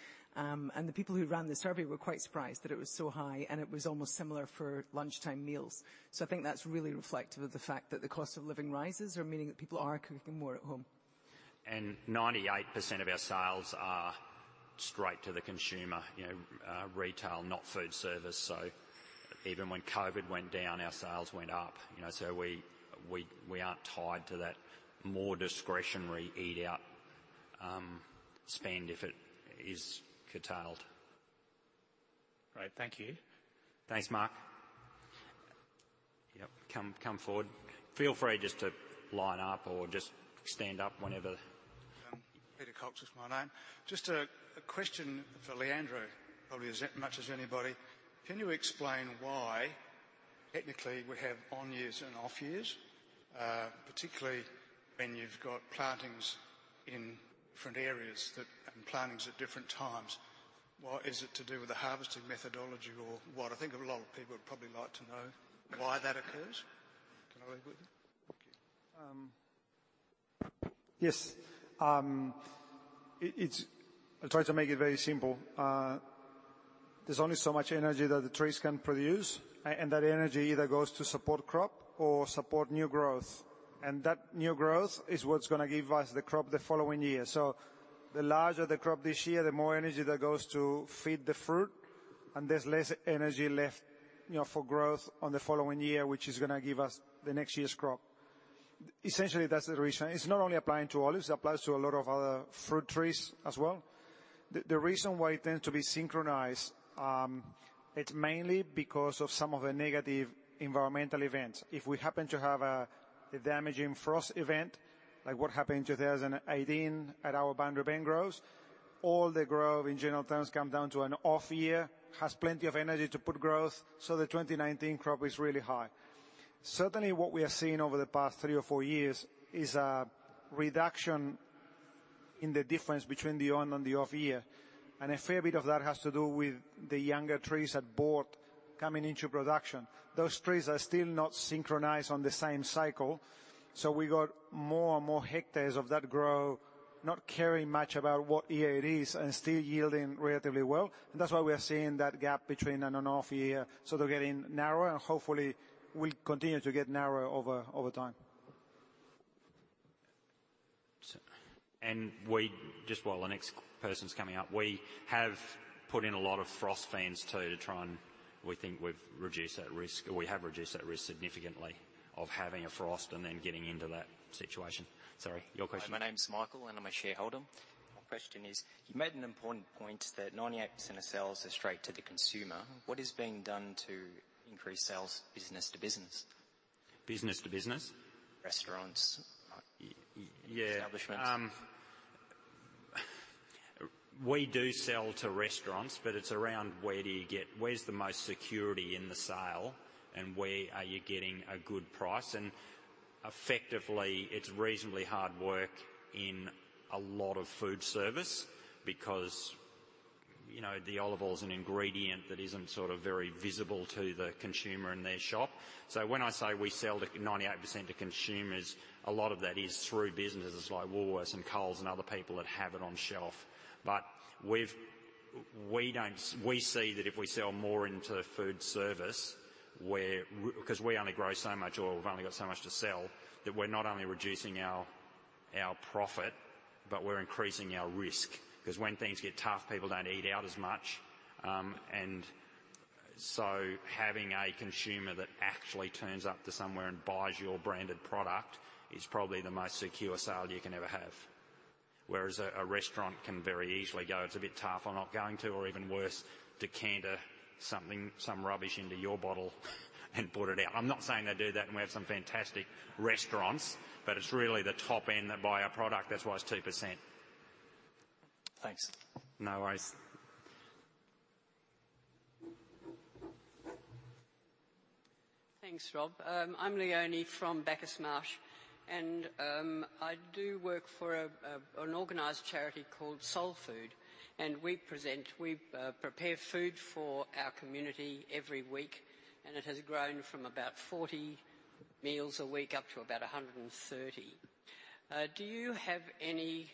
The people who ran the survey were quite surprised that it was so high, and it was almost similar for lunchtime meals. So I think that's really reflective of the fact that the cost of living rises are meaning that people are cooking more at home. 98% of our sales are straight to the consumer, you know, retail, not foodservice. So even when COVID went down, our sales went up, you know. So we aren't tied to that more discretionary eat out spend if it is curtailed. Great. Thank you. Thanks, Mark. Yep, come, come forward. Feel free just to line up or just stand up whenever. Peter Cox is my name. Just a question for Leandro, probably as much as anybody. Can you explain why technically we have on years and off years? Particularly when you've got plantings in different areas that and plantings at different times. Well, is it to do with the harvesting methodology or what? I think a lot of people would probably like to know why that occurs. Can I leave with you? Thank you. Yes. It's. I'll try to make it very simple. There's only so much energy that the trees can produce, and that energy either goes to support crop or support new growth. And that new growth is what's gonna give us the crop the following year. So the larger the crop this year, the more energy that goes to feed the fruit, and there's less energy left, you know, for growth on the following year, which is gonna give us the next year's crop. Essentially, that's the reason. It's not only applying to olives, it applies to a lot of other fruit trees as well. The reason why it tends to be synchronized, it's mainly because of some of the negative environmental events. If we happen to have a damaging frost event, like what happened in 2018 at our Boundary Bend groves, all the grove, in general terms, come down to an off year, has plenty of energy to put growth, so the 2019 crop is really high. Certainly, what we have seen over the past 3 or 4 years is a reduction in the difference between the on and the off year, and a fair bit of that has to do with the younger trees at Boort coming into production. Those trees are still not synchronized on the same cycle, so we got more and more hectares of that grove, not caring much about what year it is and still yielding relatively well. That's why we are seeing that gap between an on and off year sort of getting narrower, and hopefully will continue to get narrower over time. So and we, just while the next person's coming up, we have put in a lot of frost fans too, to try and we think we've reduced that risk, or we have reduced that risk significantly of having a frost and then getting into that situation. Sorry, your question? Hi, my name's Michael, and I'm a shareholder. My question is: you made an important point that 98% of sales are straight to the consumer. What is being done to increase sales business to business? Business to business? Restaurants- Yeah Establishments? We do sell to restaurants, but it's around where do you get where's the most security in the sale, and where are you getting a good price? And effectively, it's reasonably hard work in a lot of foodservice because, you know, the olive oil is an ingredient that isn't sort of very visible to the consumer in their shop. So when I say we sell to 98% to consumers, a lot of that is through businesses like Woolworths and Coles and other people that have it on shelf. But we don't see that if we sell more into foodservice, where 'cause we only grow so much oil, we've only got so much to sell, that we're not only reducing our, our profit, but we're increasing our risk. 'Cause when things get tough, people don't eat out as much. And so having a consumer that actually turns up to somewhere and buys your branded product is probably the most secure sale you can ever have. Whereas a restaurant can very easily go, "It's a bit tough. I'm not going to," or even worse, decant something, some rubbish into your bottle and put it out. I'm not saying they do that, and we have some fantastic restaurants, but it's really the top end that buy our product. That's why it's 2%. Thanks. No worries. Thanks, Rob. I'm Leonie from Bacchus Marsh, and I do work for an organized charity called Soul Food, and we prepare food for our community every week, and it has grown from about 40 meals a week up to about 130. Do you have any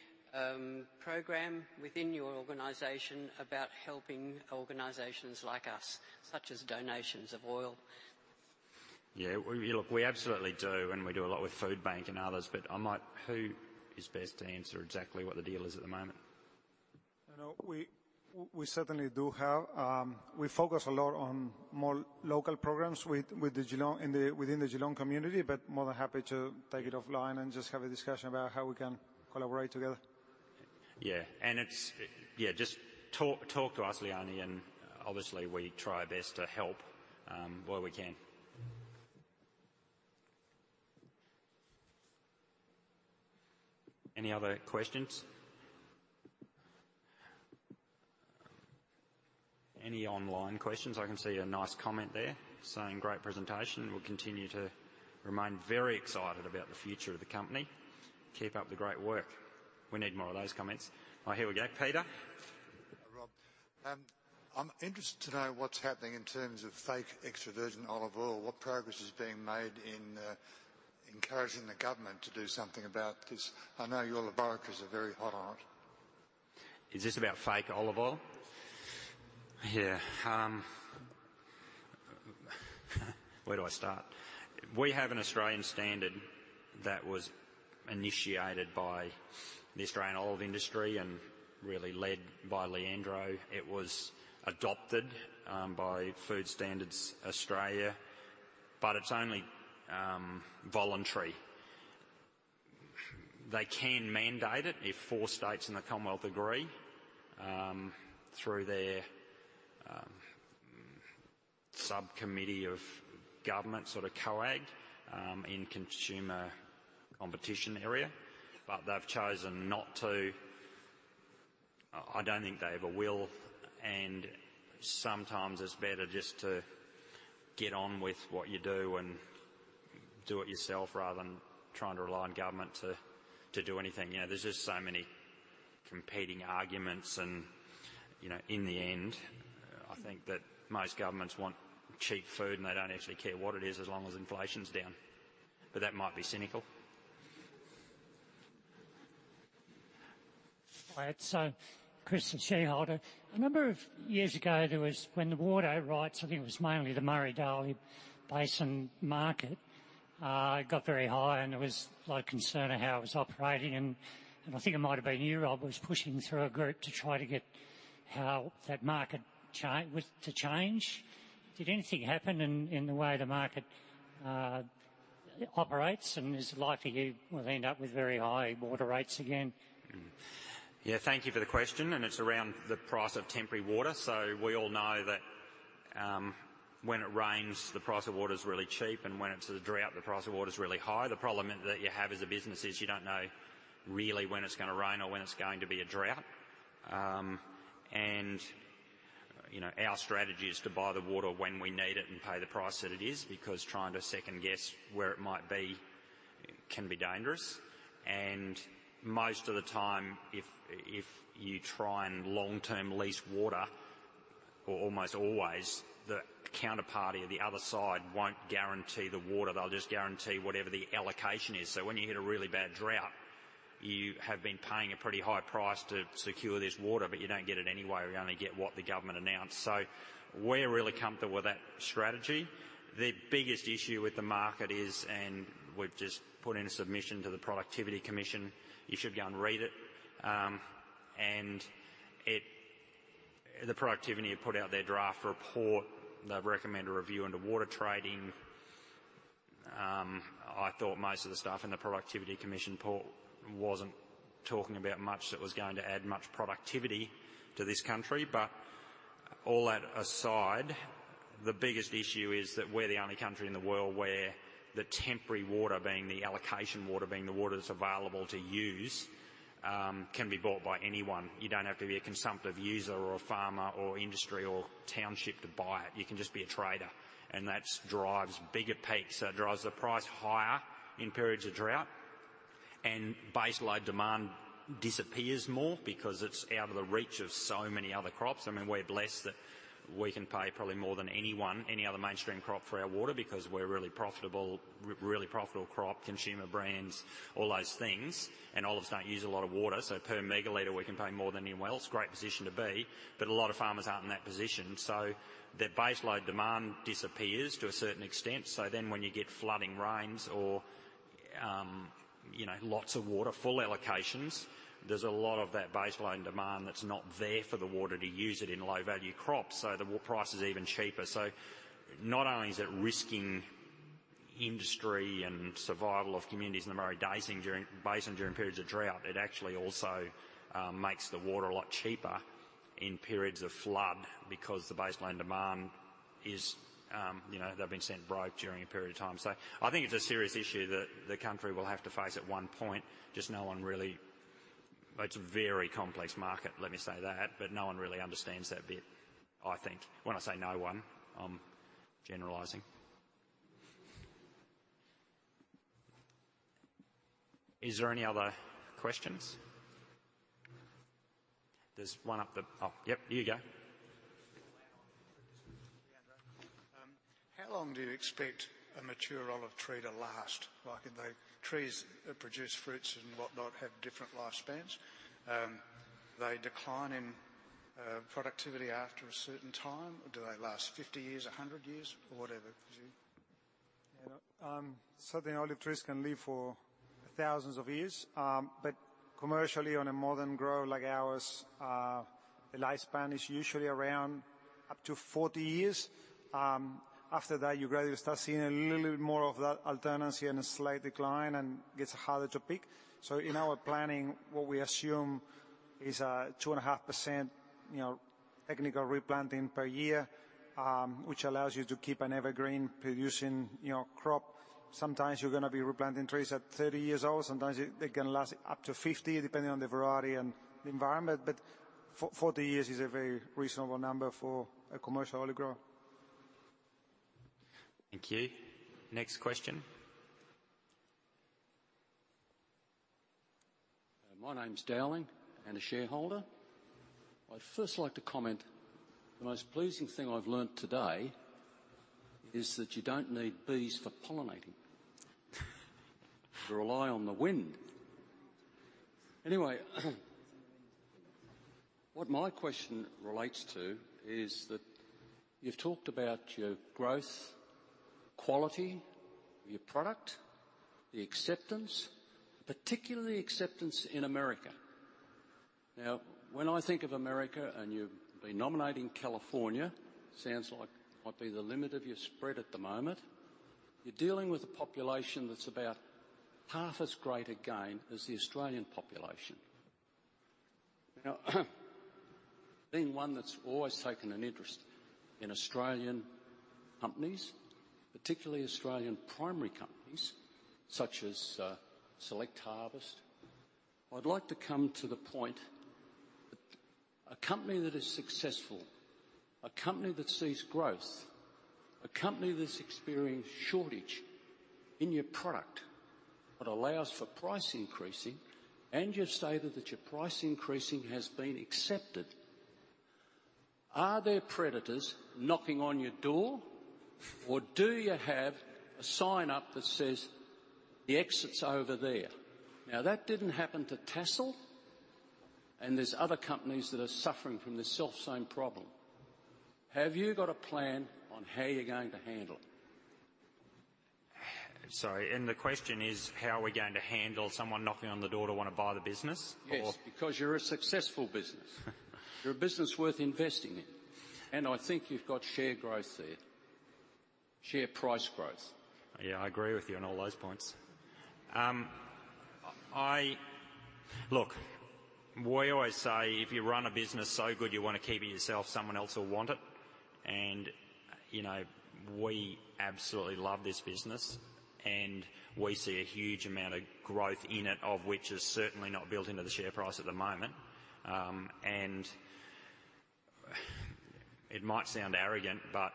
program within your organization about helping organizations like us, such as donations of oil? Yeah, well, look, we absolutely do, and we do a lot with Foodbank and others, but I might, who is best to answer exactly what the deal is at the moment? I know we certainly do have. We focus a lot on more local programs with the Geelong within the Geelong community, but more than happy to take it offline and just have a discussion about how we can collaborate together. Yeah, and it, Yeah, just talk, talk to us, Leonie, and obviously we try our best to help, where we can. Any other questions? Any online questions? I can see a nice comment there saying: "Great presentation. We'll continue to remain very excited about the future of the company. Keep up the great work." We need more of those comments. Oh, here we go. Peter? Rob, I'm interested to know what's happening in terms of fake extra virgin olive oil. What progress is being made in encouraging the government to do something about this? I know your laboratories are very hot on it. Is this about fake olive oil? Yeah. Where do I start? We have an Australian standard that was initiated by the Australian olive industry and really led by Leandro. It was adopted by Food Standards Australia, but it's only voluntary. They can mandate it if four states in the Commonwealth agree through their subcommittee of government, sort of COAG, in consumer competition area. But they've chosen not to. I don't think they ever will, and sometimes it's better just to get on with what you do and do it yourself, rather than trying to rely on government to do anything. You know, there's just so many competing arguments and, you know, in the end, I think that most governments want cheap food, and they don't actually care what it is, as long as inflation's down. But that might be cynical. All right, so Chris, a shareholder. A number of years ago, there was, when the water rights, I think it was mainly the Murray-Darling Basin market, got very high, and there was a lot of concern of how it was operating. And I think it might have been you, Rob, was pushing through a group to try to get how that market was to change. Did anything happen in the way the market operates? And is it likely you will end up with very high water rates again? Yeah, thank you for the question, and it's around the price of temporary water. So we all know that, when it rains, the price of water is really cheap, and when it's a drought, the price of water is really high. The problem that you have as a business is you don't know really when it's going to rain or when it's going to be a drought. And, you know, our strategy is to buy the water when we need it and pay the price that it is, because trying to second-guess where it might be can be dangerous. And most of the time, if you try and long-term lease water, or almost always, the counterparty or the other side won't guarantee the water. They'll just guarantee whatever the allocation is. So when you hit a really bad drought, you have been paying a pretty high price to secure this water, but you don't get it anyway. You only get what the government announced. So we're really comfortable with that strategy. The biggest issue with the market is, and we've just put in a submission to the Productivity Commission, you should go and read it. And it, the Productivity Commission had put out their draft report. They've recommended a review into water trading. I thought most of the stuff in the Productivity Commission report wasn't talking about much that was going to add much productivity to this country. But all that aside, the biggest issue is that we're the only country in the world where the temporary water, being the allocation water, being the water that's available to use, can be bought by anyone. You don't have to be a consumptive user, or a farmer, or industry, or township to buy it. You can just be a trader, and that's drives bigger peaks. So it drives the price higher in periods of drought, and base load demand disappears more because it's out of the reach of so many other crops. I mean, we're blessed that we can pay probably more than anyone, any other mainstream crop, for our water because we're a really profitable, re- really profitable crop, consumer brands, all those things. And olives don't use a lot of water, so per megaliter, we can pay more than anyone else. Great position to be, but a lot of farmers aren't in that position. So the base load demand disappears to a certain extent. So then when you get flooding rains or, you know, lots of water, full allocations, there's a lot of that base load demand that's not there for the water to use it in low-value crops. So the water price is even cheaper. So not only is it risking industry and survival of communities in the Murray-Darling Basin during periods of drought, it actually also makes the water a lot cheaper in periods of flood because the baseline demand is, you know, they've been sent broke during a period of time. So I think it's a serious issue that the country will have to face at one point. Just no one really... It's a very complex market, let me say that, but no one really understands that bit, I think. When I say no one, I'm generalizing. Is there any other questions? There's one up the. Oh, yep, you go. How long do you expect a mature olive tree to last? Like, the trees that produce fruits and whatnot have different lifespans. They decline in productivity after a certain time, or do they last 50 years, 100 years, or whatever, do you? Yeah, certainly, olive trees can live for thousands of years. But commercially, on a modern grove like ours, the lifespan is usually around up to 40 years. After that, you gradually start seeing a little bit more of that alternance and a slight decline, and gets harder to pick. So in our planning, what we assume is a 2.5%, you know, technical replanting per year, which allows you to keep an evergreen producing, you know, crop. Sometimes you're going to be replanting trees at 30 years old. Sometimes they can last up to 50, depending on the variety and the environment. But for 40 years is a very reasonable number for a commercial olive grower. Thank you. Next question. My name's Dowling, and a shareholder. I'd first like to comment, the most pleasing thing I've learned today is that you don't need bees for pollinating. You rely on the wind. Anyway, what my question relates to is that you've talked about your growth, quality of your product, the acceptance, particularly acceptance in America. Now, when I think of America, and you've been nominating California, sounds like might be the limit of your spread at the moment, you're dealing with a population that's about half as great again as the Australian population. Now, being one that's always taken an interest in Australian companies, particularly Australian primary companies, such as Select Harvests? I'd like to come to the point, that a company that is successful, a company that sees growth, a company that's experienced shortage in your product, that allows for price increasing, and you've stated that your price increasing has been accepted. Are there predators knocking on your door, or do you have a sign up that says, "The exit's over there"? Now, that didn't happen to Tassal, and there's other companies that are suffering from the self-same problem. Have you got a plan on how you're going to handle it? Sorry, and the question is, how are we going to handle someone knocking on the door to want to buy the business? Or- Yes, because you're a successful business. You're a business worth investing in, and I think you've got share growth there, share price growth. Yeah, I agree with you on all those points. Look, we always say, "If you run a business so good, you wanna keep it yourself, someone else will want it." And, you know, we absolutely love this business, and we see a huge amount of growth in it, of which is certainly not built into the share price at the moment. And, it might sound arrogant, but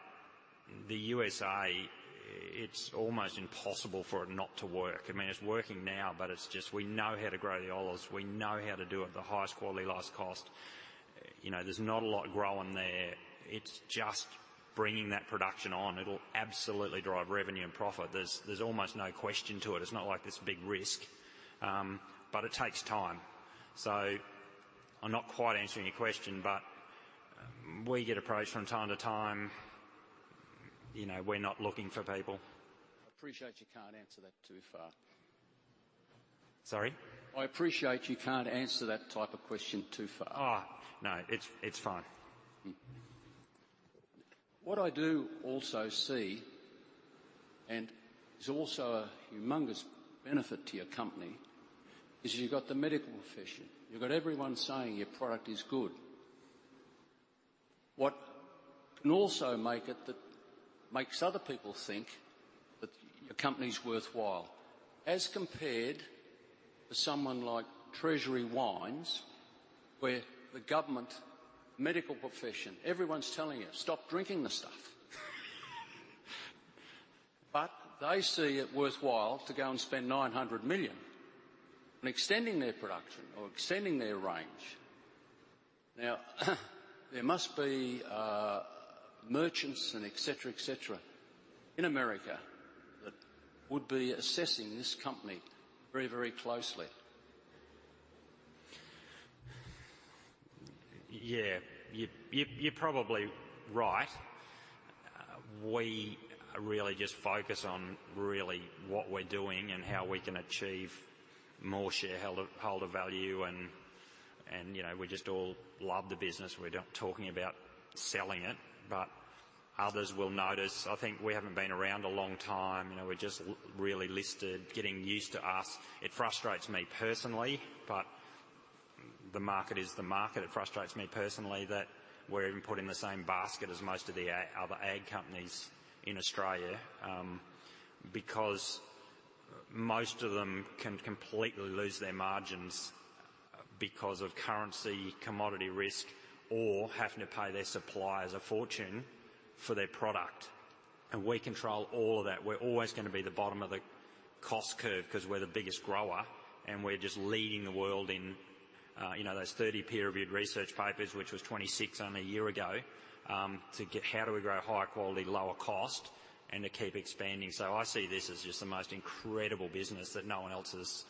the USA, it's almost impossible for it not to work. I mean, it's working now, but it's just we know how to grow the olives. We know how to do it, the highest quality, lowest cost. You know, there's not a lot growing there. It's just bringing that production on. It'll absolutely drive revenue and profit. There's, there's almost no question to it. It's not like this big risk, but it takes time. I'm not quite answering your question, but we get approached from time to time. You know, we're not looking for people. I appreciate you can't answer that too far. Sorry? I appreciate you can't answer that type of question too far. Oh, no, it's, it's fine. What I do also see, and it's also a humongous benefit to your company, is you've got the medical profession, you've got everyone saying your product is good. What can also make it, that makes other people think that your company's worthwhile, as compared to someone like Treasury Wines, where the government, medical profession, everyone's telling you, "Stop drinking the stuff." But they see it worthwhile to go and spend 900 million in extending their production or extending their range. Now, there must be, merchants and et cetera, et cetera, in America that would be assessing this company very, very closely. Yeah, you're probably right. We really just focus on really what we're doing and how we can achieve more shareholder value, and, you know, we just all love the business. We're not talking about selling it, but others will notice. I think we haven't been around a long time. You know, we're just really listed, getting used to us. It frustrates me personally, but the market is the market. It frustrates me personally that we're even put in the same basket as most of the other ag companies in Australia, because most of them can completely lose their margins because of currency, commodity risk, or having to pay their suppliers a fortune for their product, and we control all of that. We're always gonna be the bottom of the cost curve, 'cause we're the biggest grower, and we're just leading the world in, you know, those 30 peer-reviewed research papers, which was 26 only a year ago, to get how do we grow higher quality, lower cost, and to keep expanding. So I see this as just the most incredible business that no one else has,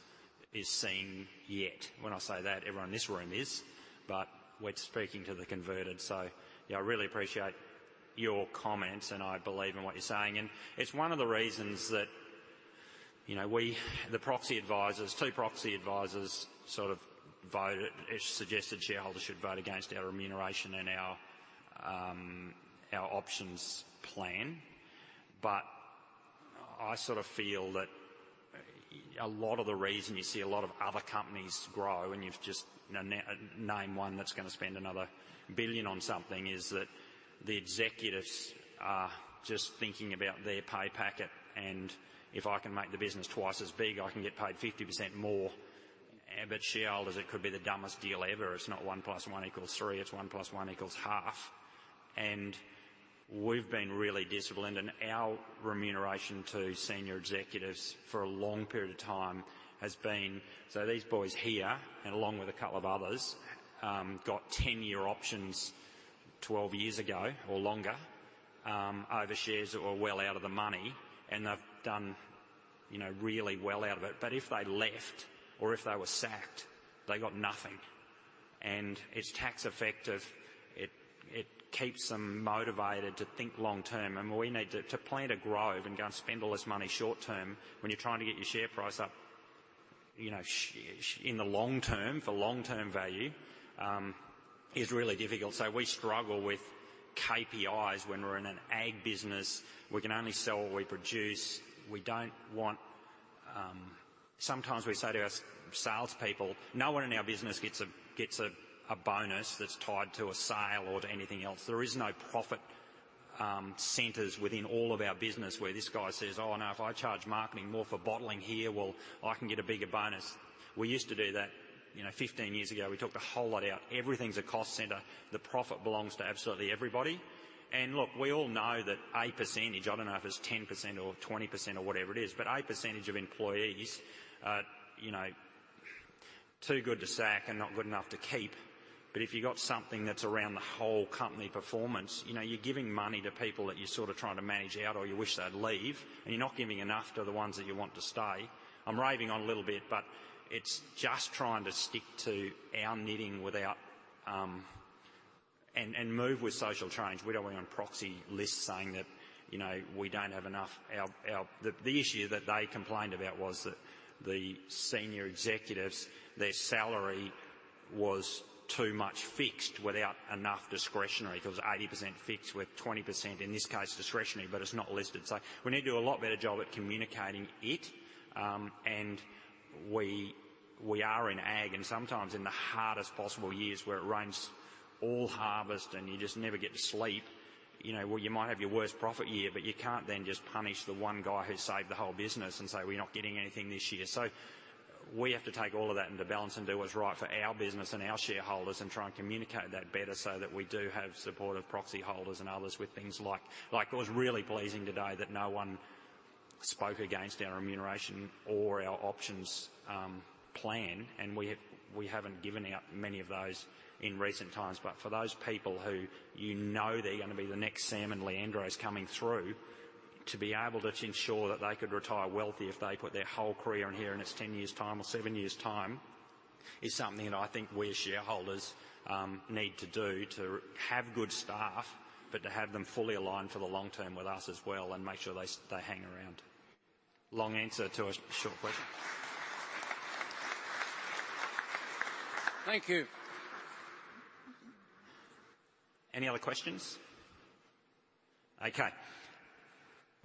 is seen yet. When I say that, everyone in this room is, but we're speaking to the converted. So yeah, I really appreciate your comments, and I believe in what you're saying, and it's one of the reasons that, you know, we, the proxy advisers, two proxy advisers, sort of voted, suggested shareholders should vote against our remuneration and our, our options plan. But I sort of feel that a lot of the reason you see a lot of other companies grow, and you've just named one that's gonna spend another 1 billion on something, is that the executives are just thinking about their pay packet, and if I can make the business twice as big, I can get paid 50% more. But shareholders, it could be the dumbest deal ever. It's not one plus one equals three; it's one plus one equals half. And we've been really disciplined, and our remuneration to senior executives for a long period of time has been. So these boys here, and along with a couple of others, got 10-year options 12 years ago or longer, over shares that were well out of the money, and they've done, you know, really well out of it. But if they left or if they were sacked, they got nothing, and it's tax effective. It keeps them motivated to think long term, and we need to plant a grove and go and spend all this money short term when you're trying to get your share price up, you know, short in the long term, for long-term value is really difficult. So we struggle with KPIs when we're in an ag business. We can only sell what we produce. We don't want... Sometimes we say to our salespeople, "No one in our business gets a bonus that's tied to a sale or to anything else. There is no profit. Centers within all of our business, where this guy says, "Oh, now, if I charge marketing more for bottling here, well, I can get a bigger bonus." We used to do that, you know, 15 years ago. We took the whole lot out. Everything's a cost center. The profit belongs to absolutely everybody. And look, we all know that a percentage, I don't know if it's 10% or 20% or whatever it is, but a percentage of employees are, you know, too good to sack and not good enough to keep. But if you've got something that's around the whole company performance, you know, you're giving money to people that you're sort of trying to manage out, or you wish they'd leave, and you're not giving enough to the ones that you want to stay. I'm raving on a little bit, but it's just trying to stick to our knitting without and move with social change. We don't want on proxy lists saying that, you know, we don't have enough, our. The issue that they complained about was that the senior executives' salary was too much fixed without enough discretionary. It was 80% fixed, with 20%, in this case, discretionary, but it's not listed. So we need to do a lot better job at communicating it. We are in ag, and sometimes in the hardest possible years, where it rains all harvest, and you just never get to sleep, you know, well, you might have your worst profit year, but you can't then just punish the one guy who saved the whole business and say, "We're not getting anything this year." So we have to take all of that into balance and do what's right for our business and our shareholders and try and communicate that better so that we do have support of proxy holders and others with things like, like it was really pleasing today that no one spoke against our remuneration or our options plan. We haven't given out many of those in recent times. But for those people who you know they're going to be the next Sam and Leandro's coming through, to be able to ensure that they could retire wealthy if they put their whole career in here, and it's 10 years' time or 7 years' time, is something that I think we as shareholders need to do to have good staff, but to have them fully aligned for the long term with us as well and make sure they hang around. Long answer to a short question. Thank you. Any other questions? Okay,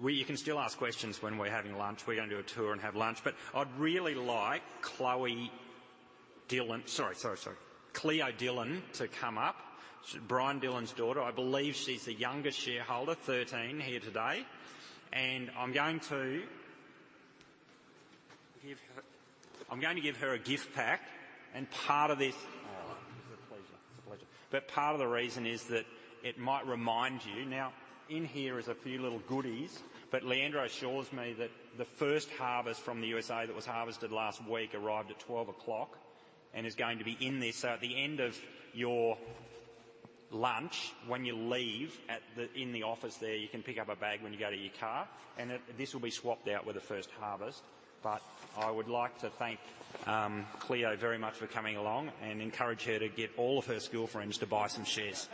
you can still ask questions when we're having lunch. We're going to do a tour and have lunch, but I'd really like Chloe Dillon, sorry, sorry, sorry, Cleo Dillon to come up. She's Brian Dillon's daughter. I believe she's the youngest shareholder, 13, here today, and I'm going to give her a gift pack. Part of this. Oh, it's a pleasure. It's a pleasure. But part of the reason is that it might remind you. Now, in here is a few little goodies, but Leandro assures me that the first harvest from the USA, that was harvested last week, arrived at 12:00 P.M. and is going to be in there. So at the end of your lunch, when you leave, in the office there, you can pick up a bag when you go to your car, and this will be swapped out with the first harvest. But I would like to thank Cleo very much for coming along and encourage her to get all of her school friends to buy some shares.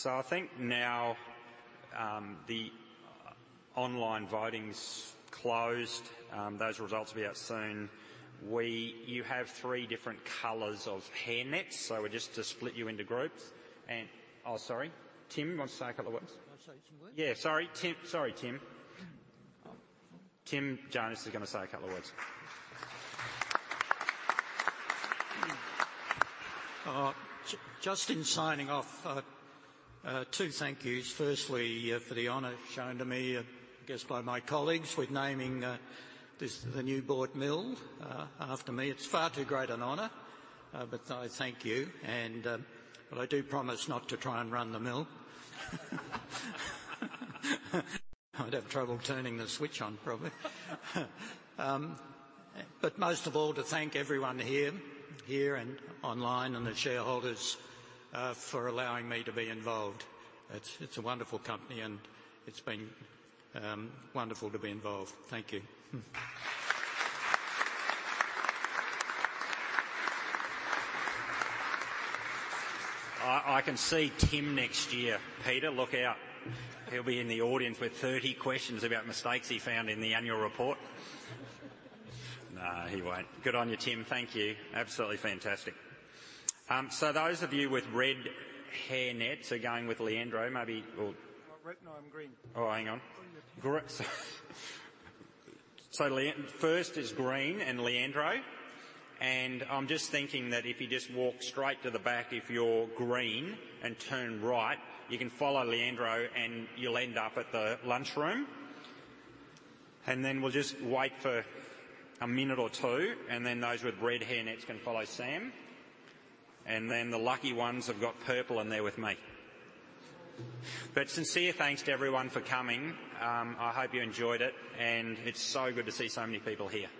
So I think now, the online voting's closed. Those results will be out soon. We, you have three different colors of hair nets, so we're just to split you into groups and. Oh, sorry, Tim wants to say a couple of words. Can I say a few words? Yeah. Sorry, Tim. Sorry, Tim. Tim Jonas is going to say a couple of words. Just in signing off, two thank you's. Firstly, for the honor shown to me, I guess by my colleagues, with naming this, the new Boort mill, after me. It's far too great an honor. But I thank you, and but I do promise not to try and run the mill. I'd have trouble turning the switch on, probably. But most of all, to thank everyone here, here and online and the shareholders, for allowing me to be involved. It's, it's a wonderful company, and it's been wonderful to be involved. Thank you. I can see Tim next year. Peter, look out. He'll be in the audience with 30 questions about mistakes he found in the annual report. Nah, he won't. Good on you, Tim. Thank you. Absolutely fantastic. So those of you with red hair nets are going with Leandro, maybe... Not red. No, I'm green. Oh, hang on. So, first is green and Leandro, and I'm just thinking that if you just walk straight to the back, if you're green and turn right, you can follow Leandro, and you'll end up at the lunch room. And then we'll just wait for a minute or two, and then those with red hair nets can follow Sam. And then the lucky ones have got purple, and they're with me. But sincere thanks to everyone for coming. I hope you enjoyed it, and it's so good to see so many people here.